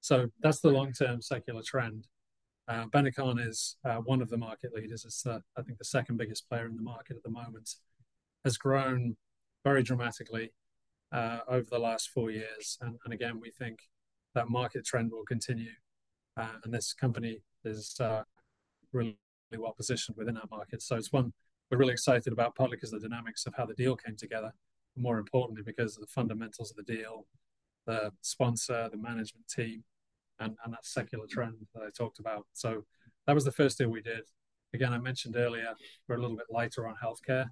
So that's the long-term secular trend. Benecon is one of the market leaders. It's, I think, the second-biggest player in the market at the moment. Has grown very dramatically over the last four years, and, and again, we think that market trend will continue, and this company is really well-positioned within our market. So it's one we're really excited about, partly 'cause the dynamics of how the deal came together, and more importantly, because of the fundamentals of the deal, the sponsor, the management team, and, and that secular trend that I talked about. So that was the first thing we did. Again, I mentioned earlier, we're a little bit lighter on healthcare.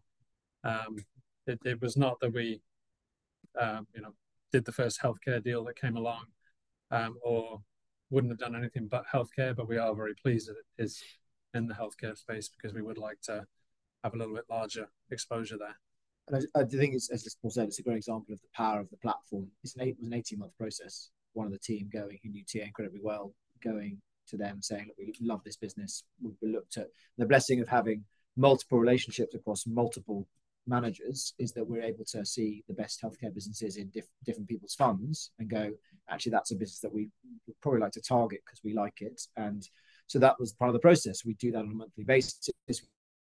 It was not that we, you know, did the first healthcare deal that came along, or wouldn't have done anything but healthcare, but we are very pleased that it is in the healthcare space, because we would like to have a little bit larger exposure there. I think it's, as Paul said, it's a great example of the power of the platform. It was an 18-month process, one of the team going, who knew TA incredibly well, going to them saying, "Look, we love this business. We, we looked at." The blessing of having multiple relationships across multiple managers is that we're able to see the best healthcare businesses in different people's funds and go, "Actually, that's a business that we would probably like to target, 'cause we like it." And so that was part of the process. We do that on a monthly basis.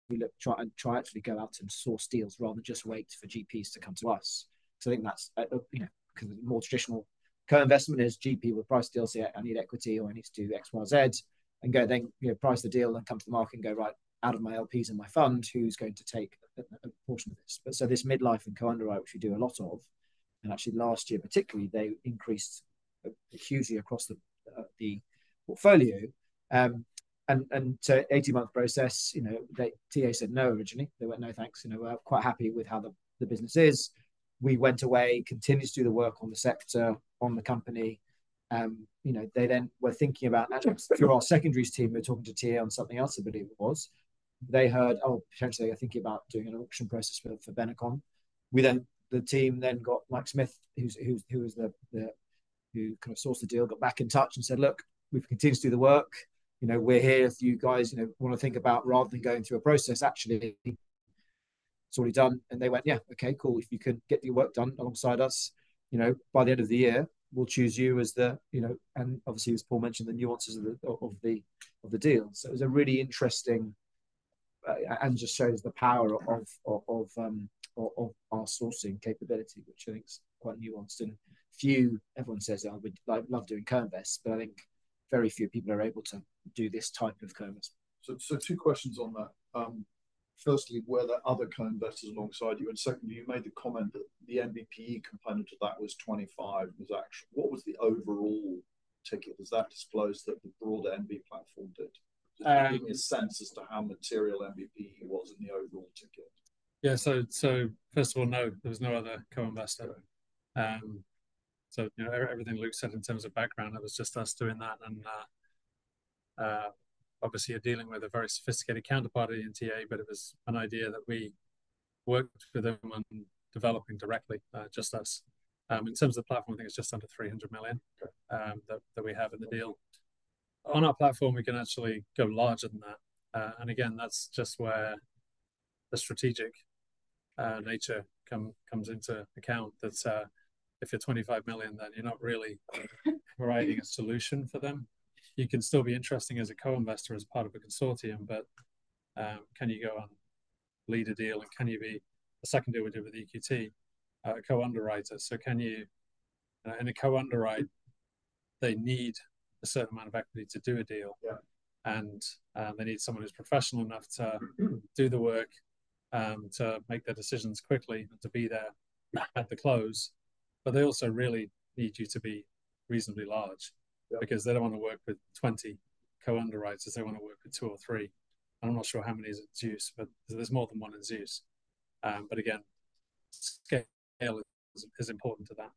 We look, try, try and actually go out and source deals rather than just wait for GPs to come to us. So I think that's, you know, 'cause more traditional co-investment is GP will price deals, say, "I need equity," or, "I need to do X, Y, Z," and go then, you know, price the deal and come to the market and go right out of my LPs and my fund, who's going to take a portion of this? But so this midlife and co-underwrite, which we do a lot of, and actually last year particularly, they increased hugely across the portfolio. And so 18-month process, you know, they. TA said no, originally. They went, "No, thanks. You know, we're quite happy with how the business is." We went away, continued to do the work on the sector, on the company. You know, they then were thinking about that. Through our secondaries team, we were talking to TA on something else, I believe it was. They heard, "Oh, potentially, I'm thinking about doing an auction process for Benecon." The team then got Mike Smith, who kind of sourced the deal, got back in touch and said, "Look, we've continued to do the work. You know, we're here if you guys, you know, wanna think about, rather than going through a process, actually, it's already done." And they went, "Yeah. Okay, cool. If you could get your work done alongside us, you know, by the end of the year, we'll choose you as the." You know, and obviously, as Paul mentioned, the nuances of the deal. So it was a really interesting... Just shows the power of our sourcing capability, which I think is quite nuanced and everyone says, "I would love doing co-invest," but I think very few people are able to do this type of co-invest. Two questions on that. Firstly, were there other co-investors alongside you? And secondly, you made the comment that the NBPE component of that was 25—what was the overall ticket? Was that disclosed that the broader NB platform did. Just give me a sense as to how material NBPE was in the overall ticket? Yeah, so first of all, no, there was no other co-investor. Got it. So, you know, everything Luke said in terms of background, it was just us doing that. And, obviously, you're dealing with a very sophisticated counterparty in TA, but it was an idea that we worked with them on developing directly, just us. In terms of the platform, I think it's just under $300 million. That, that we have in the deal. On our platform, we can actually go larger than that, and again, that's just where the strategic nature comes into account. That, if you're $25 million, then you're not really providing a solution for them. You can still be interesting as a co-investor as part of a consortium, but, can you go and lead a deal? And can you be... The second deal we did with EQT, a co-underwriter. So can you, in a co-underwrite... they need a certain amount of equity todo a deal. Yeah. They need someone who's professional enough to do the work, to make their decisions quickly, and to be there at the close. But they also really need you to be reasonably large- Yeah Because they don't want to work with 20 co-underwriters. They want to work with 2 or 3, and I'm not sure how many is at Zeus, but there's more than one in Zeus. But again, scale is important to that.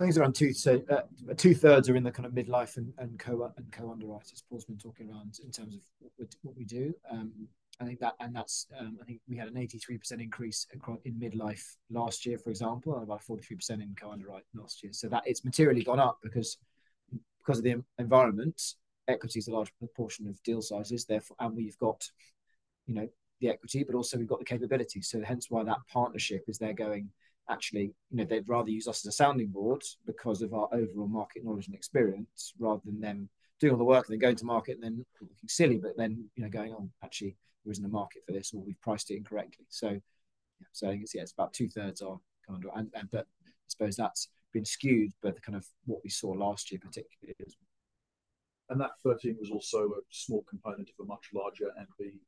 I think it's around two, so two-thirds are in the kind of midlife and co-underwrite. Paul's been talking around in terms of what we do. I think that and that's, I think we had an 83% increase in midlife last year, for example, and about 43% in co-underwrite last year. So that it's materially gone up because of the environment, equity is a large proportion of deal sizes therefore. And we've got, you know, the equity, but also we've got the capability. So hence why that partnership is there going, actually, you know, they'd rather use us as a sounding board because of our overall market knowledge and experience, rather than them doing all the work then going to market, and then looking silly, but then, you know, going on, actually, there isn't a market for this, or we've priced it incorrectly. So I can see it's about two-thirds are co-underwrite. but I suppose that's been skewed by the kind of what we saw last year particularly as. That 13 was also a small component of a much larger NB ticket. Yeah. Yeah.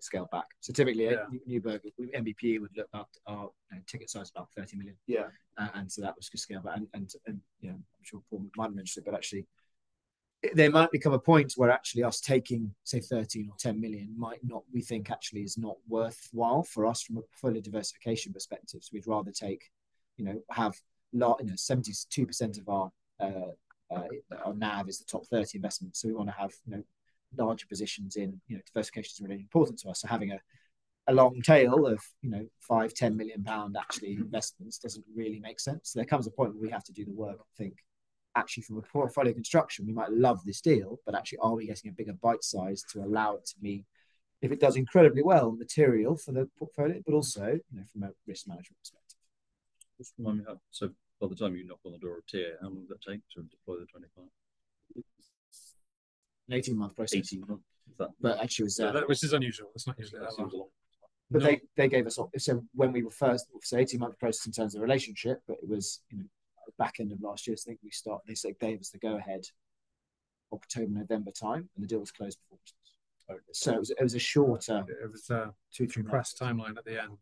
Scaled back. Typically, NB would look after our ticket size, about $30 million. Yeah and so that was to scale back. And you know, I'm sure Paul might have mentioned it, but actually there might become a point where actually us taking, say, 13 million or 10 million might not, we think, actually is not worthwhile for us from a portfolio diversification perspective. So we'd rather take, you know, have not, you know, 72% of our NAV is the top 30 investments. So we want to have, you know, larger positions in, you know, diversification is really important to us, so having a long tail of, you know, 5 million pound, 10 million pound actually investments doesn't really make sense. There comes a point where we have to do the work to think actually from a portfolio construction, we might love this deal, but actually, are we getting a bigger bite size to allow it to be, if it does incredibly well, material for the portfolio, but also, you know, from a risk management perspective. Just remind me how, so by the time you knock on the door of TA, how long does it take to deploy the $25? An 18-month process. Eighteen months. But actually Yeah, which is unusual. It's not usually that long. Seems long. But they gave us. So when we were first, say, 18-month process in terms of relationship, but it was, you know, back end of last year, I think we started. They said, gave us the go ahead October, November time, and the deal was closed before Christmas. So it was a shorter. It was a. two-three months. Crash timeline at the end.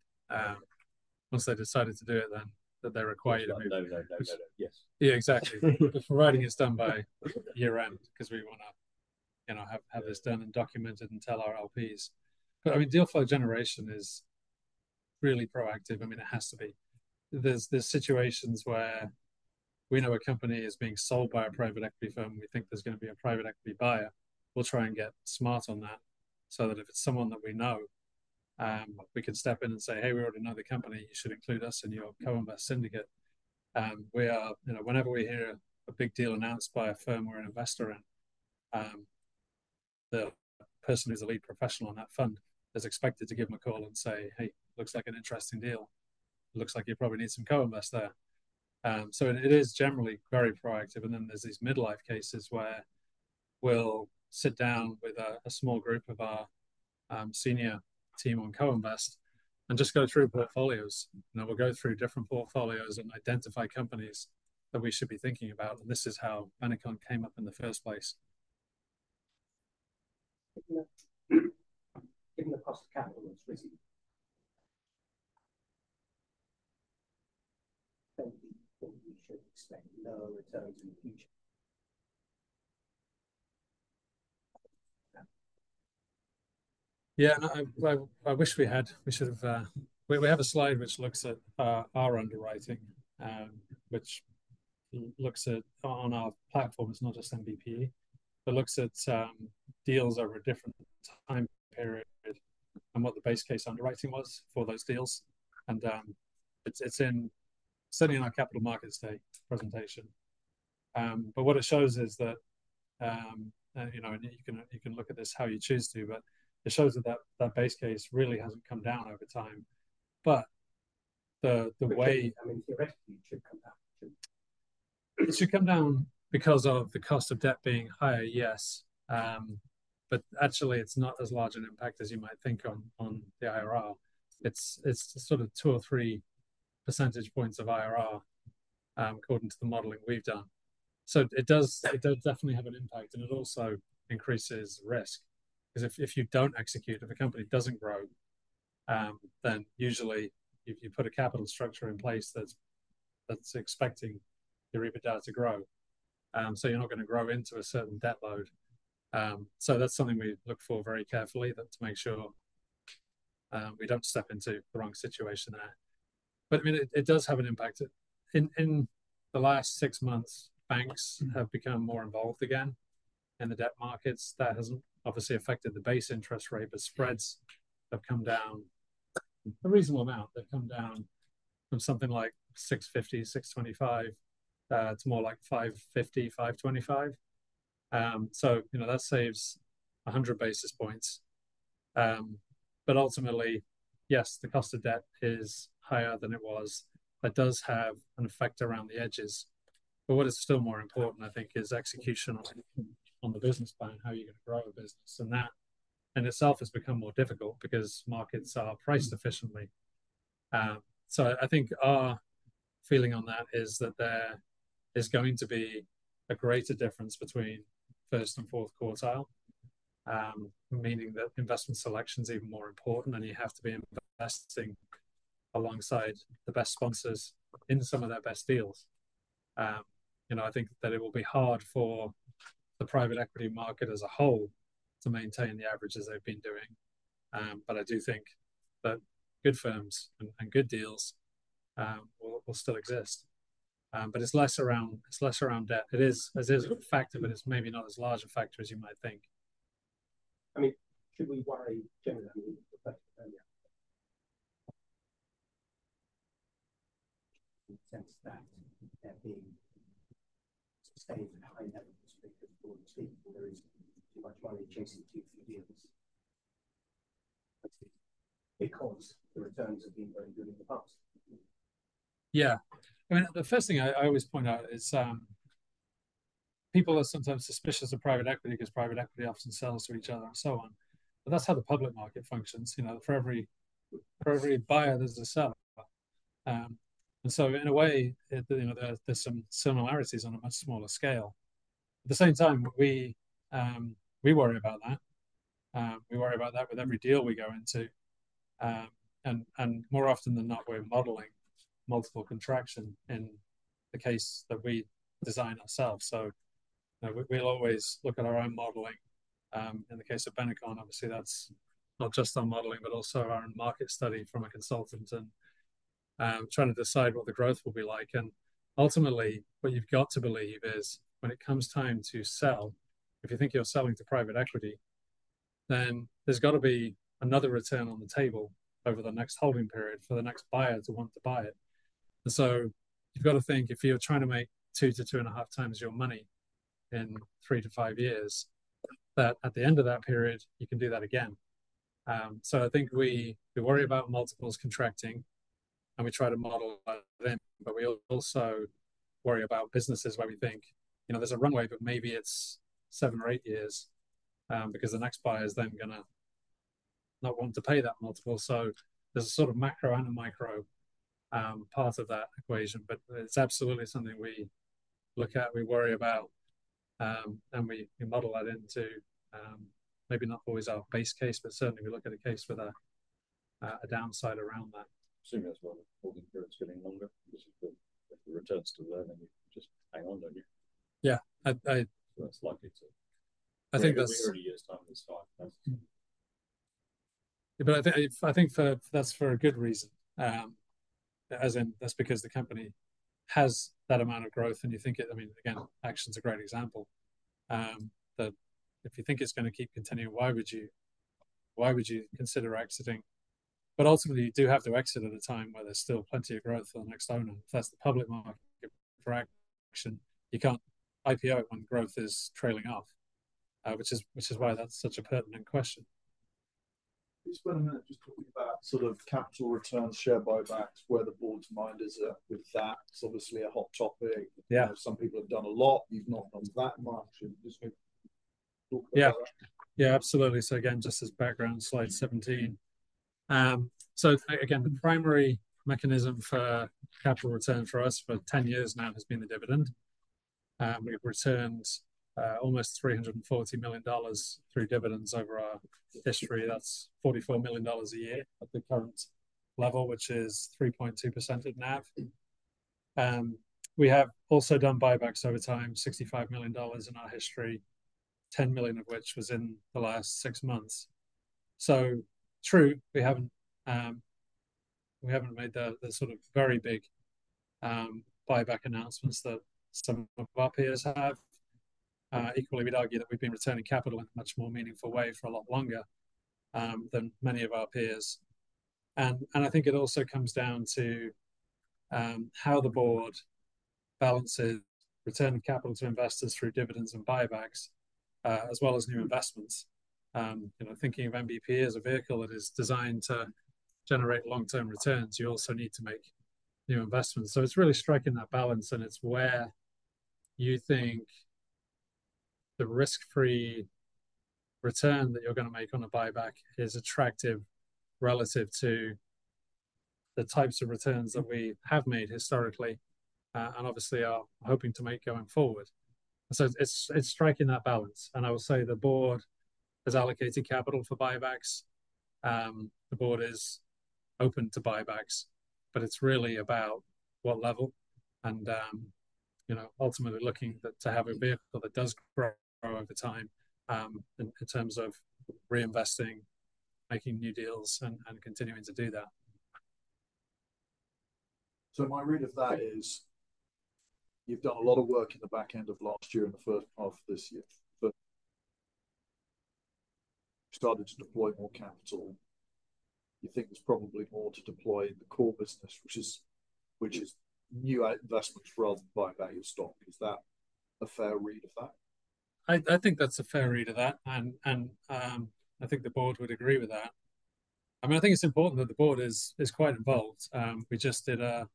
Once they decided to do it, then, that they required you- Go, go, go, go. Yes. Yeah, exactly. The writing is done by year-end because we wanna, you know, have this done and documented and tell our LPs. But, I mean, deal flow generation is really proactive. I mean, it has to be. There's situations where we know a company is being sold by a private equity firm, we think there's gonna be a private equity buyer. We'll try and get smart on that, so that if it's someone that we know, we can step in and say, "Hey, we already know the company. You should include us in your co-invest syndicate." We are, you know, whenever we hear a big deal announced by a firm or an investor and, the person who's a lead professional on that fund is expected to give them a call and say, "Hey, looks like an interesting deal. Looks like you probably need some co-invest there." So it is generally very proactive. And then there's these midlife cases where we'll sit down with a small group of our senior team on co-invest and just go through portfolios. You know, we'll go through different portfolios and identify companies that we should be thinking about, and this is how came up in the first place. Yeah, I wish we had. We should have, we have a slide which looks at our underwriting, which looks at on our platform. It's not just NBPE, but looks at deals over a different time period and what the base case underwriting was for those deals. And it's certainly in our Capital Markets Day presentation. But what it shows is that, you know, and you can look at this how you choose to, but it shows that that base case really hasn't come down over time. But the way. I mean, theoretically, it should come down, too. It should come down because of the cost of debt being higher, yes. But actually, it's not as large an impact as you might think on the IRR. It's sort of two or three percentage points of IRR, according to the modeling we've done. So it does definitely have an impact, and it also increases risk because if you don't execute, if a company doesn't grow, then usually if you put a capital structure in place, that's expecting the EBITDA to grow. So you're not gonna grow into a certain debt load. So that's something we look for very carefully, to make sure we don't step into the wrong situation there. But, I mean, it does have an impact. In the last six months, banks have become more involved again in the debt markets. That has obviously affected the base interest rate, but spreads have come down a reasonable amount. They've come down from something like 650-625 to more like 550-525. So, you know, that saves 100 basis points. But ultimately, yes, the cost of debt is higher than it was. That does have an effect around the edges, but what is still more important, I think, is execution on the business plan, how you're gonna grow a business. And that in itself has become more difficult because markets are priced efficiently. So I think our feeling on that is that there is going to be a greater difference between first and fourth quartile, meaning that investment selection is even more important, and you have to be investing alongside the best sponsors in some of their best deals. You know, I think that it will be hard for the private equity market as a whole to maintain the averages they've been doing. But I do think that good firms and, and good deals, will, will still exist. But it's less around, it's less around debt. It is, it is a factor, but it's maybe not as large a factor as you might think. I mean, should we worry generally, the question earlier? In sense that they're being stayed behind because broadly there is too much money chasing too few deals. Because the returns have been very good in the past. Yeah. I mean, the first thing I always point out is, people are sometimes suspicious of private equity, 'cause private equity often sells to each other and so on, but that's how the public market functions. You know, for every buyer, there's a seller. And so in a way, you know, there's some similarities on a much smaller scale. At the same time, we worry about that. We worry about that with every deal we go into. And more often than not, we're modeling multiple contraction in the case that we design ourselves. So, you know, we'll always look at our own modeling. In the case of Benecon, obviously, that's not just our modeling, but also our own market study from a consultant, and trying to decide what the growth will be like. Ultimately, what you've got to believe is, when it comes time to sell, if you think you're selling to private equity, then there's got to be another return on the table over the next holding period for the next buyer to want to buy it. You've got to think, if you're trying to make 2-2.5 times your money in three-five years, that at the end of that period, you can do that again. I think we worry about multiples contracting, and we try to model that in, but we also worry about businesses where we think, you know, there's a runway, but maybe it's seven or eight years, because the next buyer is then gonna not want to pay that multiple. So there's a sort of macro and a micro part of that equation, but it's absolutely something we look at, we worry about, and we model that into maybe not always our base case, but certainly we look at a case with a downside around that. Seems as well, the holding period is getting longer, which is the returns to learning. Just hang on, don't you? Yeah, I. So that's lucky to. I think that's. Three years' time to start. But I think that's for a good reason. As in, that's because the company has that amount of growth, and you think it. I mean, again, Action's a great example, that if you think it's gonna keep continuing, why would you, why would you consider exiting? But ultimately, you do have to exit at a time where there's still plenty of growth for the next owner. If that's the public market for Action, you can't IPO when growth is trailing off, which is why that's such a pertinent question. Can you spend a minute just talking about sort of capital returns, share buybacks, where the board's mind is at with that? It's obviously a hot topic. Yeah. Some people have done a lot, you've not done that much. Just maybe talk about that. Yeah. Yeah, absolutely. So again, just as background, slide 17. So again, the primary mechanism for capital return for us for 10 years now has been the dividend. We've returned almost $340 million through dividends over our history. That's $44 million a year at the current level, which is 3.2% of NAV. We have also done buybacks over time, $65 million in our history, $10 million of which was in the last six months. So true, we haven't, we haven't made the, the sort of very big, buyback announcements that some of our peers have. Equally, we'd argue that we've been returning capital in a much more meaningful way for a lot longer than many of our peers. I think it also comes down to how the board balances returning capital to investors through dividends and buybacks, as well as new investments. You know, thinking of NBPE as a vehicle that is designed to generate long-term returns, you also need to make new investments. So it's really striking that balance, and it's where you think the risk-free return that you're gonna make on a buyback is attractive relative to the types of returns that we have made historically, and obviously are hoping to make going forward. So it's striking that balance, and I will say the board has allocated capital for buybacks. The board is open to buybacks, but it's really about what level and, you know, ultimately looking at to have a vehicle that does grow over time, in terms of reinvesting, making new deals, and, and continuing to do that. My read of that is, you've done a lot of work in the back end of last year and the first half of this year, but started to deploy more capital. You think there's probably more to deploy in the core business, which is new investments rather than buyback your stock. Is that a fair read of that? I think that's a fair read of that, and I think the board would agree with that. I mean, I think it's important that the board is quite involved. We just did a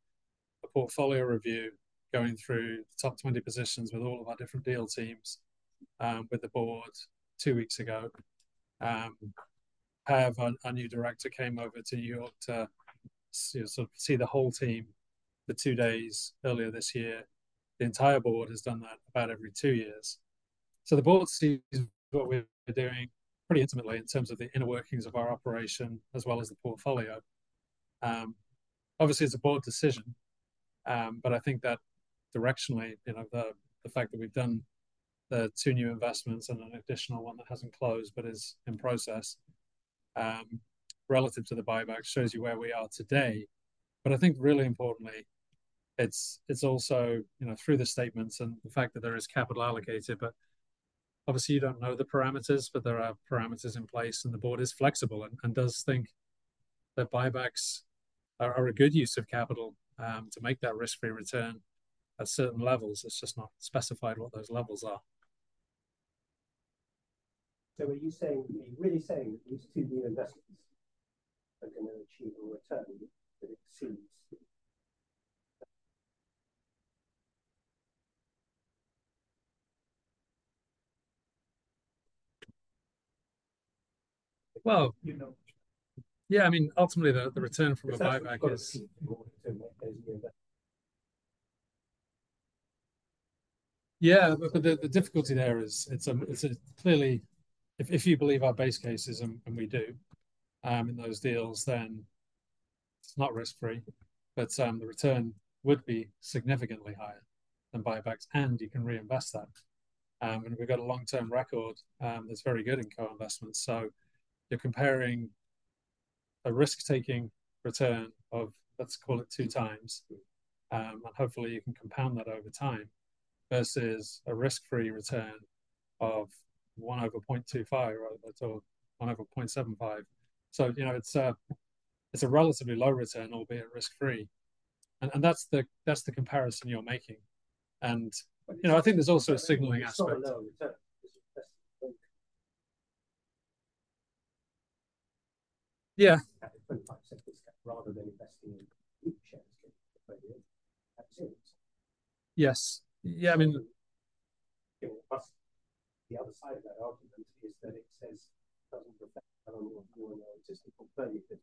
portfolio review going through the top 20 positions with all of our different deal teams, with the board two weeks ago. However, our new director came over to New York to sort of see the whole team for two days earlier this year. The entire board has done that about every two years. So the board sees what we're doing pretty intimately in terms of the inner workings of our operation, as well as the portfolio. Obviously, it's a board decision, but I think that directionally, you know, the fact that we've done the two new investments and an additional one that hasn't closed but is in process, relative to the buyback, shows you where we are today. But I think really importantly, it's also, you know, through the statements and the fact that there is capital allocated, but obviously you don't know the parameters, but there are parameters in place, and the board is flexible and does think that buybacks are a good use of capital to make that risk-free return at certain levels. It's just not specified what those levels are. Are you saying, really saying that these two new investments are gonna achieve a return that exceeds? Well. You know. Yeah, I mean, ultimately, the return from a buyback is. Yeah, but the difficulty there is it's a clearly. If you believe our base cases, and we do, in those deals, then it's not risk-free, but the return would be significantly higher than buybacks, and you can reinvest that. And we've got a long-term record that's very good in co-investments. So you're comparing a risk-taking return of, let's call it 2x, and hopefully you can compound that over time, versus a risk-free return of one over 0.25, rather than sort of one over 0.75. So, you know, it's a relatively low return, albeit risk-free, and that's the comparison you're making. And, you know, I think there's also a signaling aspect. It's not a low return. It's just, I think. Yeah. 25%, rather than investing in shares. Yes. Yeah, I mean. But the other side of that argument is that it says, doesn't affect existing portfolio that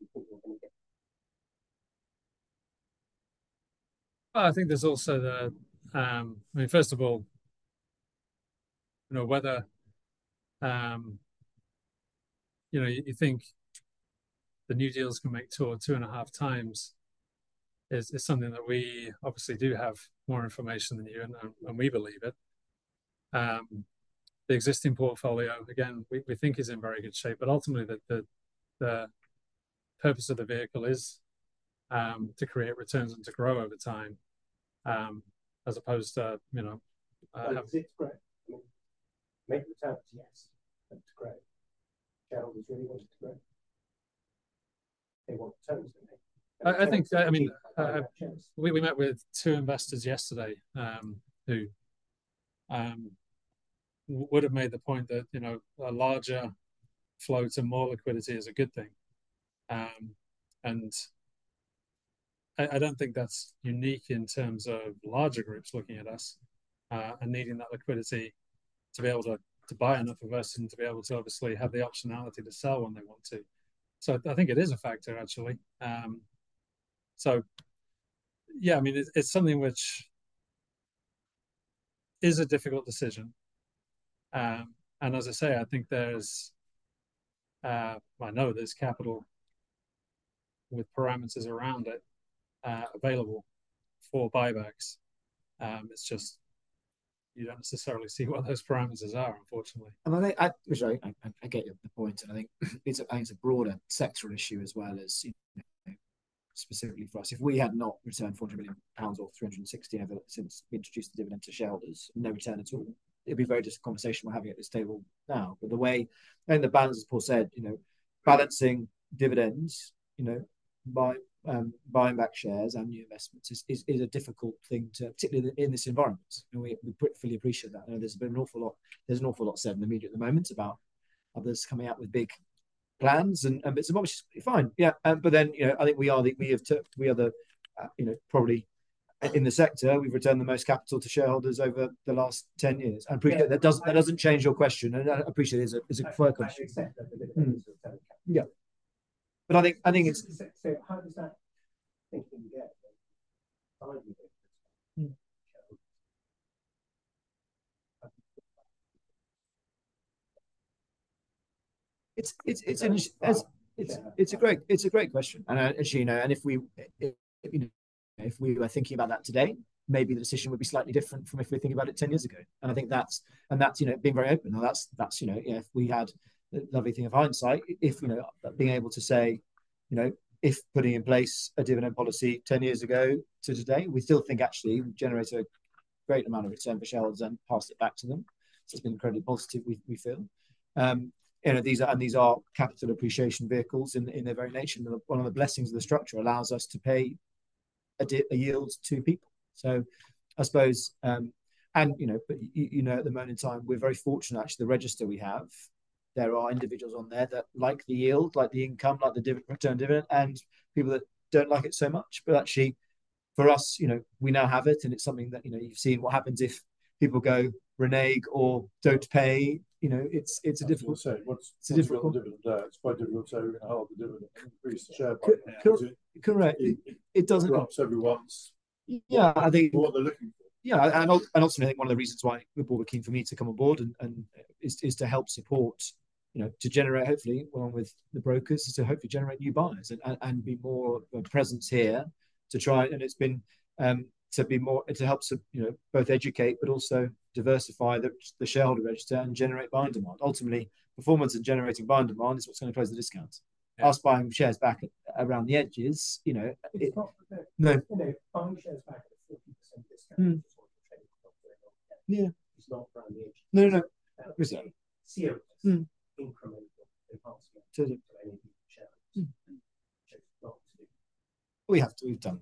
you think you're gonna get. Well, I think there's also the, I mean, first of all, you know, you know, you think the new deals can make 2x or 2.5x is something that we obviously do have more information than you, and we believe it. The existing portfolio, again, we think is in very good shape, but ultimately, the purpose of the vehicle is to create returns and to grow over time, as opposed to, you know, Is it to grow? Make returns, yes, but to grow. Shareholders really want it to grow. They want returns on it. I think, I mean, we met with two investors yesterday, who would have made the point that, you know, a larger flow to more liquidity is a good thing. And I don't think that's unique in terms of larger groups looking at us, and needing that liquidity to be able to buy enough of us and to be able to obviously have the optionality to sell when they want to. So I think it is a factor, actually. So yeah, I mean, it's something which is a difficult decision. And as I say, I think there's, I know there's capital with parameters around it, available for buybacks. It's just you don't necessarily see what those parameters are, unfortunately. Sorry. I get your point, and I think it's a broader sectoral issue as well as, you know, specifically for us. If we had not returned 40 million pounds or 360 million ever since we introduced the dividend to shareholders, no return at all, it'd be a very different conversation we're having at this table now. But the way. The balance, as Paul said, you know, balancing dividends, you know, by buying back shares and new investments is a difficult thing, particularly in this environment, and we fully appreciate that. I know there's an awful lot said in the media at the moment about others coming out with big plans and bits of which is fine. Yeah, but then, you know, I think we are the, you know, probably in the sector, we've returned the most capital to shareholders over the last 10 years. I appreciate that doesn't, that doesn't change your question, and I appreciate it's a, it's a fair question. I accept that. Mm-hmm. Yeah. But I think, I think it's. How does that thinking get? Mm-hmm. It's a great question, and as you know, and if we were thinking about that today, maybe the decision would be slightly different from if we're thinking about it ten years ago. And I think that's, you know, being very open. Now, that's, you know, if we had the lovely thing of hindsight, you know, being able to say, you know, if putting in place a dividend policy ten years ago to today, we still think actually we've generated a great amount of return for shareholders and pass it back to them. So it's been incredibly positive, we feel. You know, these are capital appreciation vehicles in their very nature. One of the blessings of the structure allows us to pay a yield to people. So I suppose, you know, at the moment in time, we're very fortunate. Actually, the register we have, there are individuals on there that like the yield, like the income, like the dividend, and people that don't like it so much. But actually, for us, you know, we now have it, and it's something that, you know, you've seen what happens if people go renege or don't pay. You know, it's a difficult. I was gonna say, what's. It's a difficult. It's quite difficult to do and increase the share price. Correct. It doesn't. Drops everyone's. Yeah, I think. What they're looking for. Yeah, and ultimately, I think one of the reasons why the board were keen for me to come on board is to help support, you know, to generate hopefully, along with the brokers, hopefully generate new buyers and be more of a presence here to try. And it's been to be more to help support, you know, both educate but also diversify the shareholder register and generate buyer demand. Ultimately, performance and generating buyer demand is what's gonna close the discount. Us buying shares back around the edges, you know, it- It's not the. No. You know, buying shares back at a 40% discount. Is what? Yeah. It's not around the edge. No, no, because. Incremental advancement. We have to. We've done.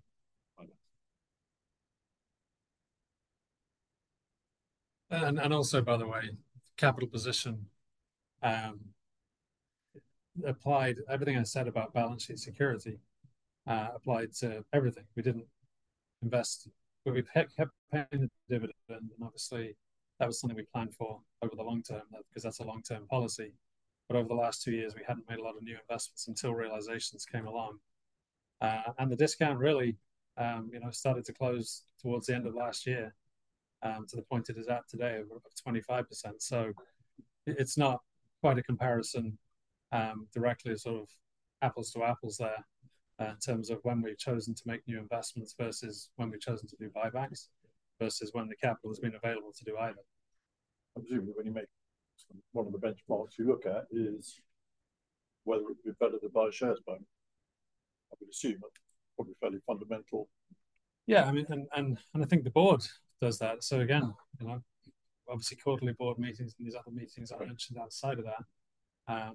Also, by the way, capital position applied everything I said about balance sheet security applied to everything. We didn't invest, but we kept paying the dividend, and obviously, that was something we planned for over the long term because that's a long-term policy. But over the last two years, we hadn't made a lot of new investments until realizations came along. And the discount really, you know, started to close towards the end of last year to the point it is at today, over 25%. So it's not quite a comparison directly sort of apples to apples there in terms of when we've chosen to make new investments versus when we've chosen to do buybacks, versus when the capital has been available to do either. I presume when you make... One of the benchmarks you look at is whether it would be better to buy shares back. I would assume that probably fairly fundamental. Yeah, I mean, I think the board does that. So again, you know, obviously, quarterly board meetings and these other meetings I mentioned outside of that,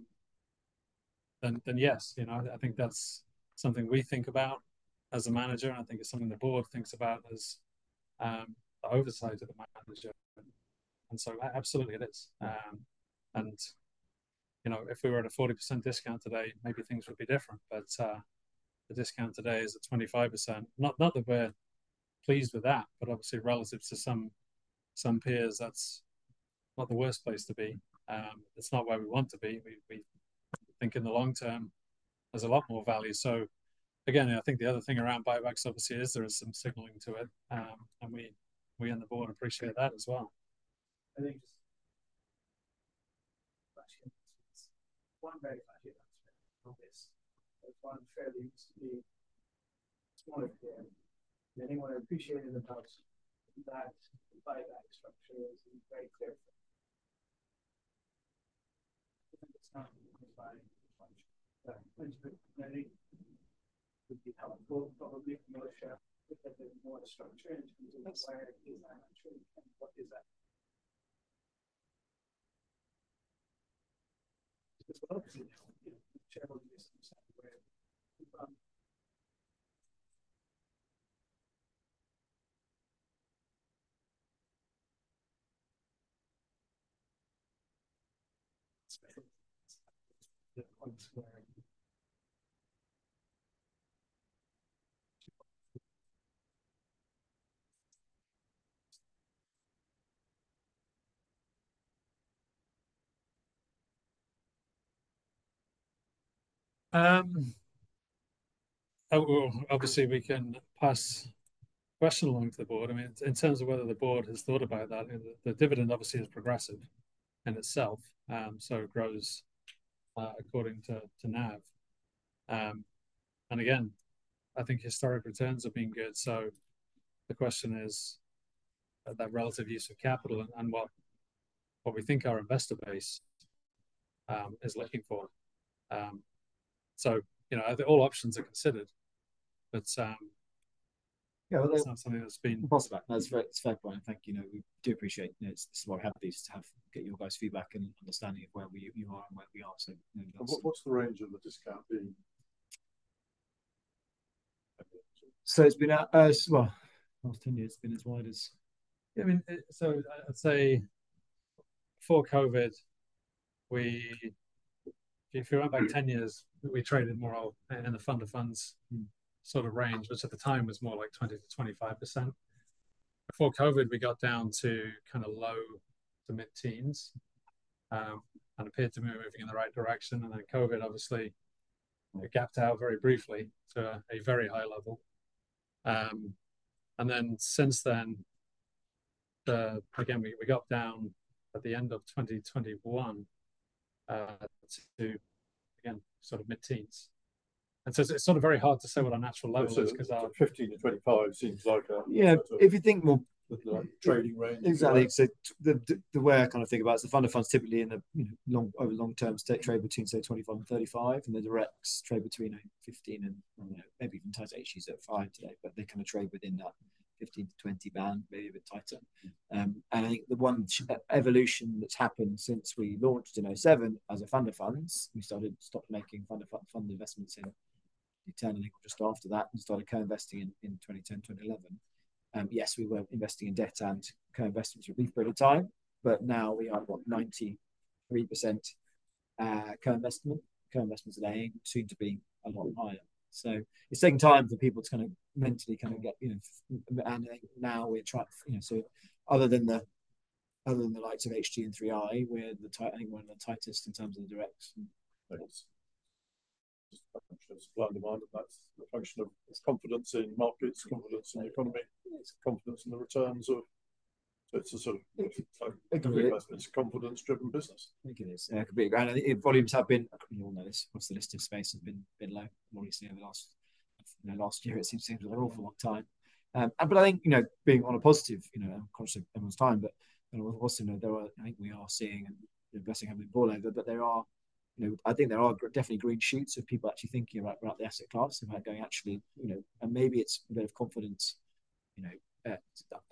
then yes. You know, I think that's something we think about as a manager, and I think it's something the board thinks about as the oversight of the manager. And so absolutely, it is. And, you know, if we were at a 40% discount today, maybe things would be different, but the discount today is at 25%. Not that we're pleased with that, but obviously relative to some peers, that's not the worst place to be. It's not where we want to be. We think in the long term, there's a lot more value. So again, I think the other thing around buybacks, obviously, is there is some signaling to it, and we on the board appreciate that as well. I think just. One very flat answer. Obviously, one fairly small again. Many would appreciate in the past that buyback structure is very clear. It's not buying function. I think it would be helpful, probably, if more share, a bit more structure in terms of where, and what is that? As well, you know, generally where, well, obviously, we can pass question along to the board. I mean, in terms of whether the board has thought about that, the dividend obviously is progressive in itself, so it grows according to NAV. And again, I think historic returns have been good. So the question is about relative use of capital and what, what we think our investor base is looking for. So, you know, all options are considered, but, Yeah, well. That's not something that's been. Possible. That's a fair point. I think, you know, we do appreciate, you know, so we're happy to get your guys' feedback and understanding of where you are and where we are, so, you know, that's. What's the range of the discount been? So it's been out, well, last 10 years, it's been as wide as. I mean, so I'd say before COVID, we, if you went back 10 years, we traded more in the fund of funds sort of range, which at the time was more like 20%-25%. Before COVID, we got down to kind of low to mid-teens, and appeared to be moving in the right direction. And then COVID, obviously, it gapped out very briefly to a very high level. And then since then, again, we got down at the end of 2021 to, again, sort of mid-teens and so it's sort of very hard to say what our natural level is, 'cause our- 15-25 seems like a. Yeah, if you think more. The trading range. Exactly. So the way I kind of think about it is the fund of funds typically in a, you know, long over long-term trade between, say, 25 and 35, and the directs trade between, you know, 15 and, you know, maybe even tight issues at 5 today, but they kind of trade within that 15%-20% band, maybe a bit tighter. And I think the one evolution that's happened since we launched in 2007 as a fund of funds, we stopped making fund of fund investments in 2008 just after that, and started co-investing in 2010, 2011. Yes, we were investing in debt and co-investments for a bit of time, but now we are, what, 93%, co-investment. Co-investments are soon to be a lot higher. So it's taking time for people to kind of mentally kind of get, you know, and I think now we're trying... You know, so other than the likes of HG and 3i, we're the—I think we're the tightest in terms of the directs and things. That's the function of, it's confidence in markets, confidence in the economy. Confidence in the returns, or it's a sort of- It could be. It's a confidence-driven business. I think it is. It could be, and I think volumes have been, we all know this, obviously, the listed space has been low more recently in the last, you know, last year. It seems like an awful long time. But I think, you know, being on a positive, you know, of course, everyone's time, but also, you know, there are. I think we are seeing investing having ball over. But there are, you know, I think there are definitely green shoots of people actually thinking about, about the asset class and about going actually, you know, and maybe it's a bit of confidence, you know,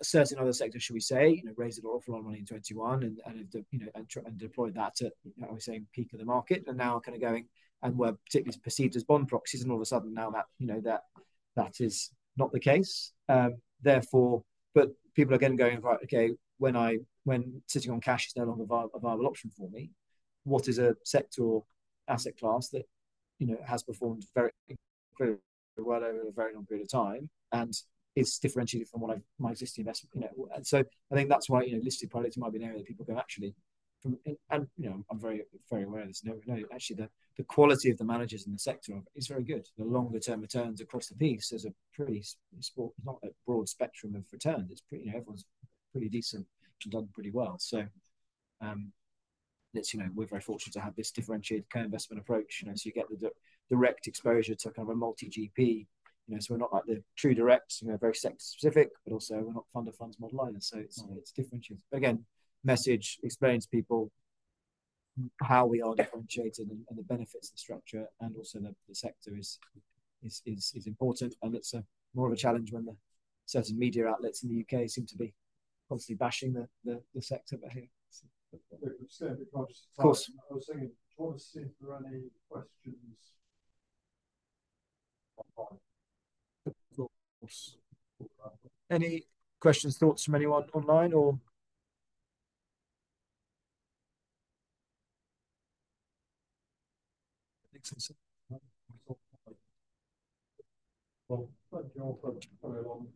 certain other sectors, should we say, you know, raised an awful lot of money in 2021, and, and, you know, and, and deployed that at, you know, I was saying, peak of the market, and now kind of going, and were particularly perceived as bond proxies, and all of a sudden now that, you know, that, that is not the case. Therefore, but people are again going: "Right, okay, when sitting on cash is no longer a viable option for me, what is a sector or asset class that, you know, has performed very, very well over a very long period of time and is differentiated from what I, my existing investment?" You know, and so I think that's why, you know, listed products might be an area that people go actually from. And, you know, I'm very, very aware of this. No, no, actually, the quality of the managers in the sector is very good. The longer-term returns across the piece is a pretty not a broad spectrum of returns. It's pretty, you know, everyone's pretty decent and done pretty well. So, it's, you know, we're very fortunate to have this differentiated co-investment approach, you know, so you get the direct exposure to kind of a multi GP. You know, so we're not like the true directs, you know, very sector specific, but also we're not fund of funds model either. So it's differentiated. But again, message, explain to people how we are differentiated and the benefits of the structure, and also the sector is important, and it's more of a challenge when certain media outlets in the U.K. seem to be constantly bashing the sector, but, hey, Okay. Let's stay a bit close. Of course. I was thinking, do you want to see if there are any questions online? Any questions? Thoughts from anyone online, or? I think so. Well, thank you all for coming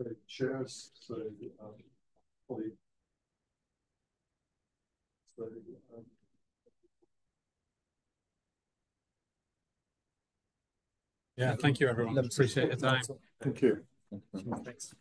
along. It's a really good question. Yeah, thank you everyone. I appreciate your time. Thank you. Thank you very much. Thanks.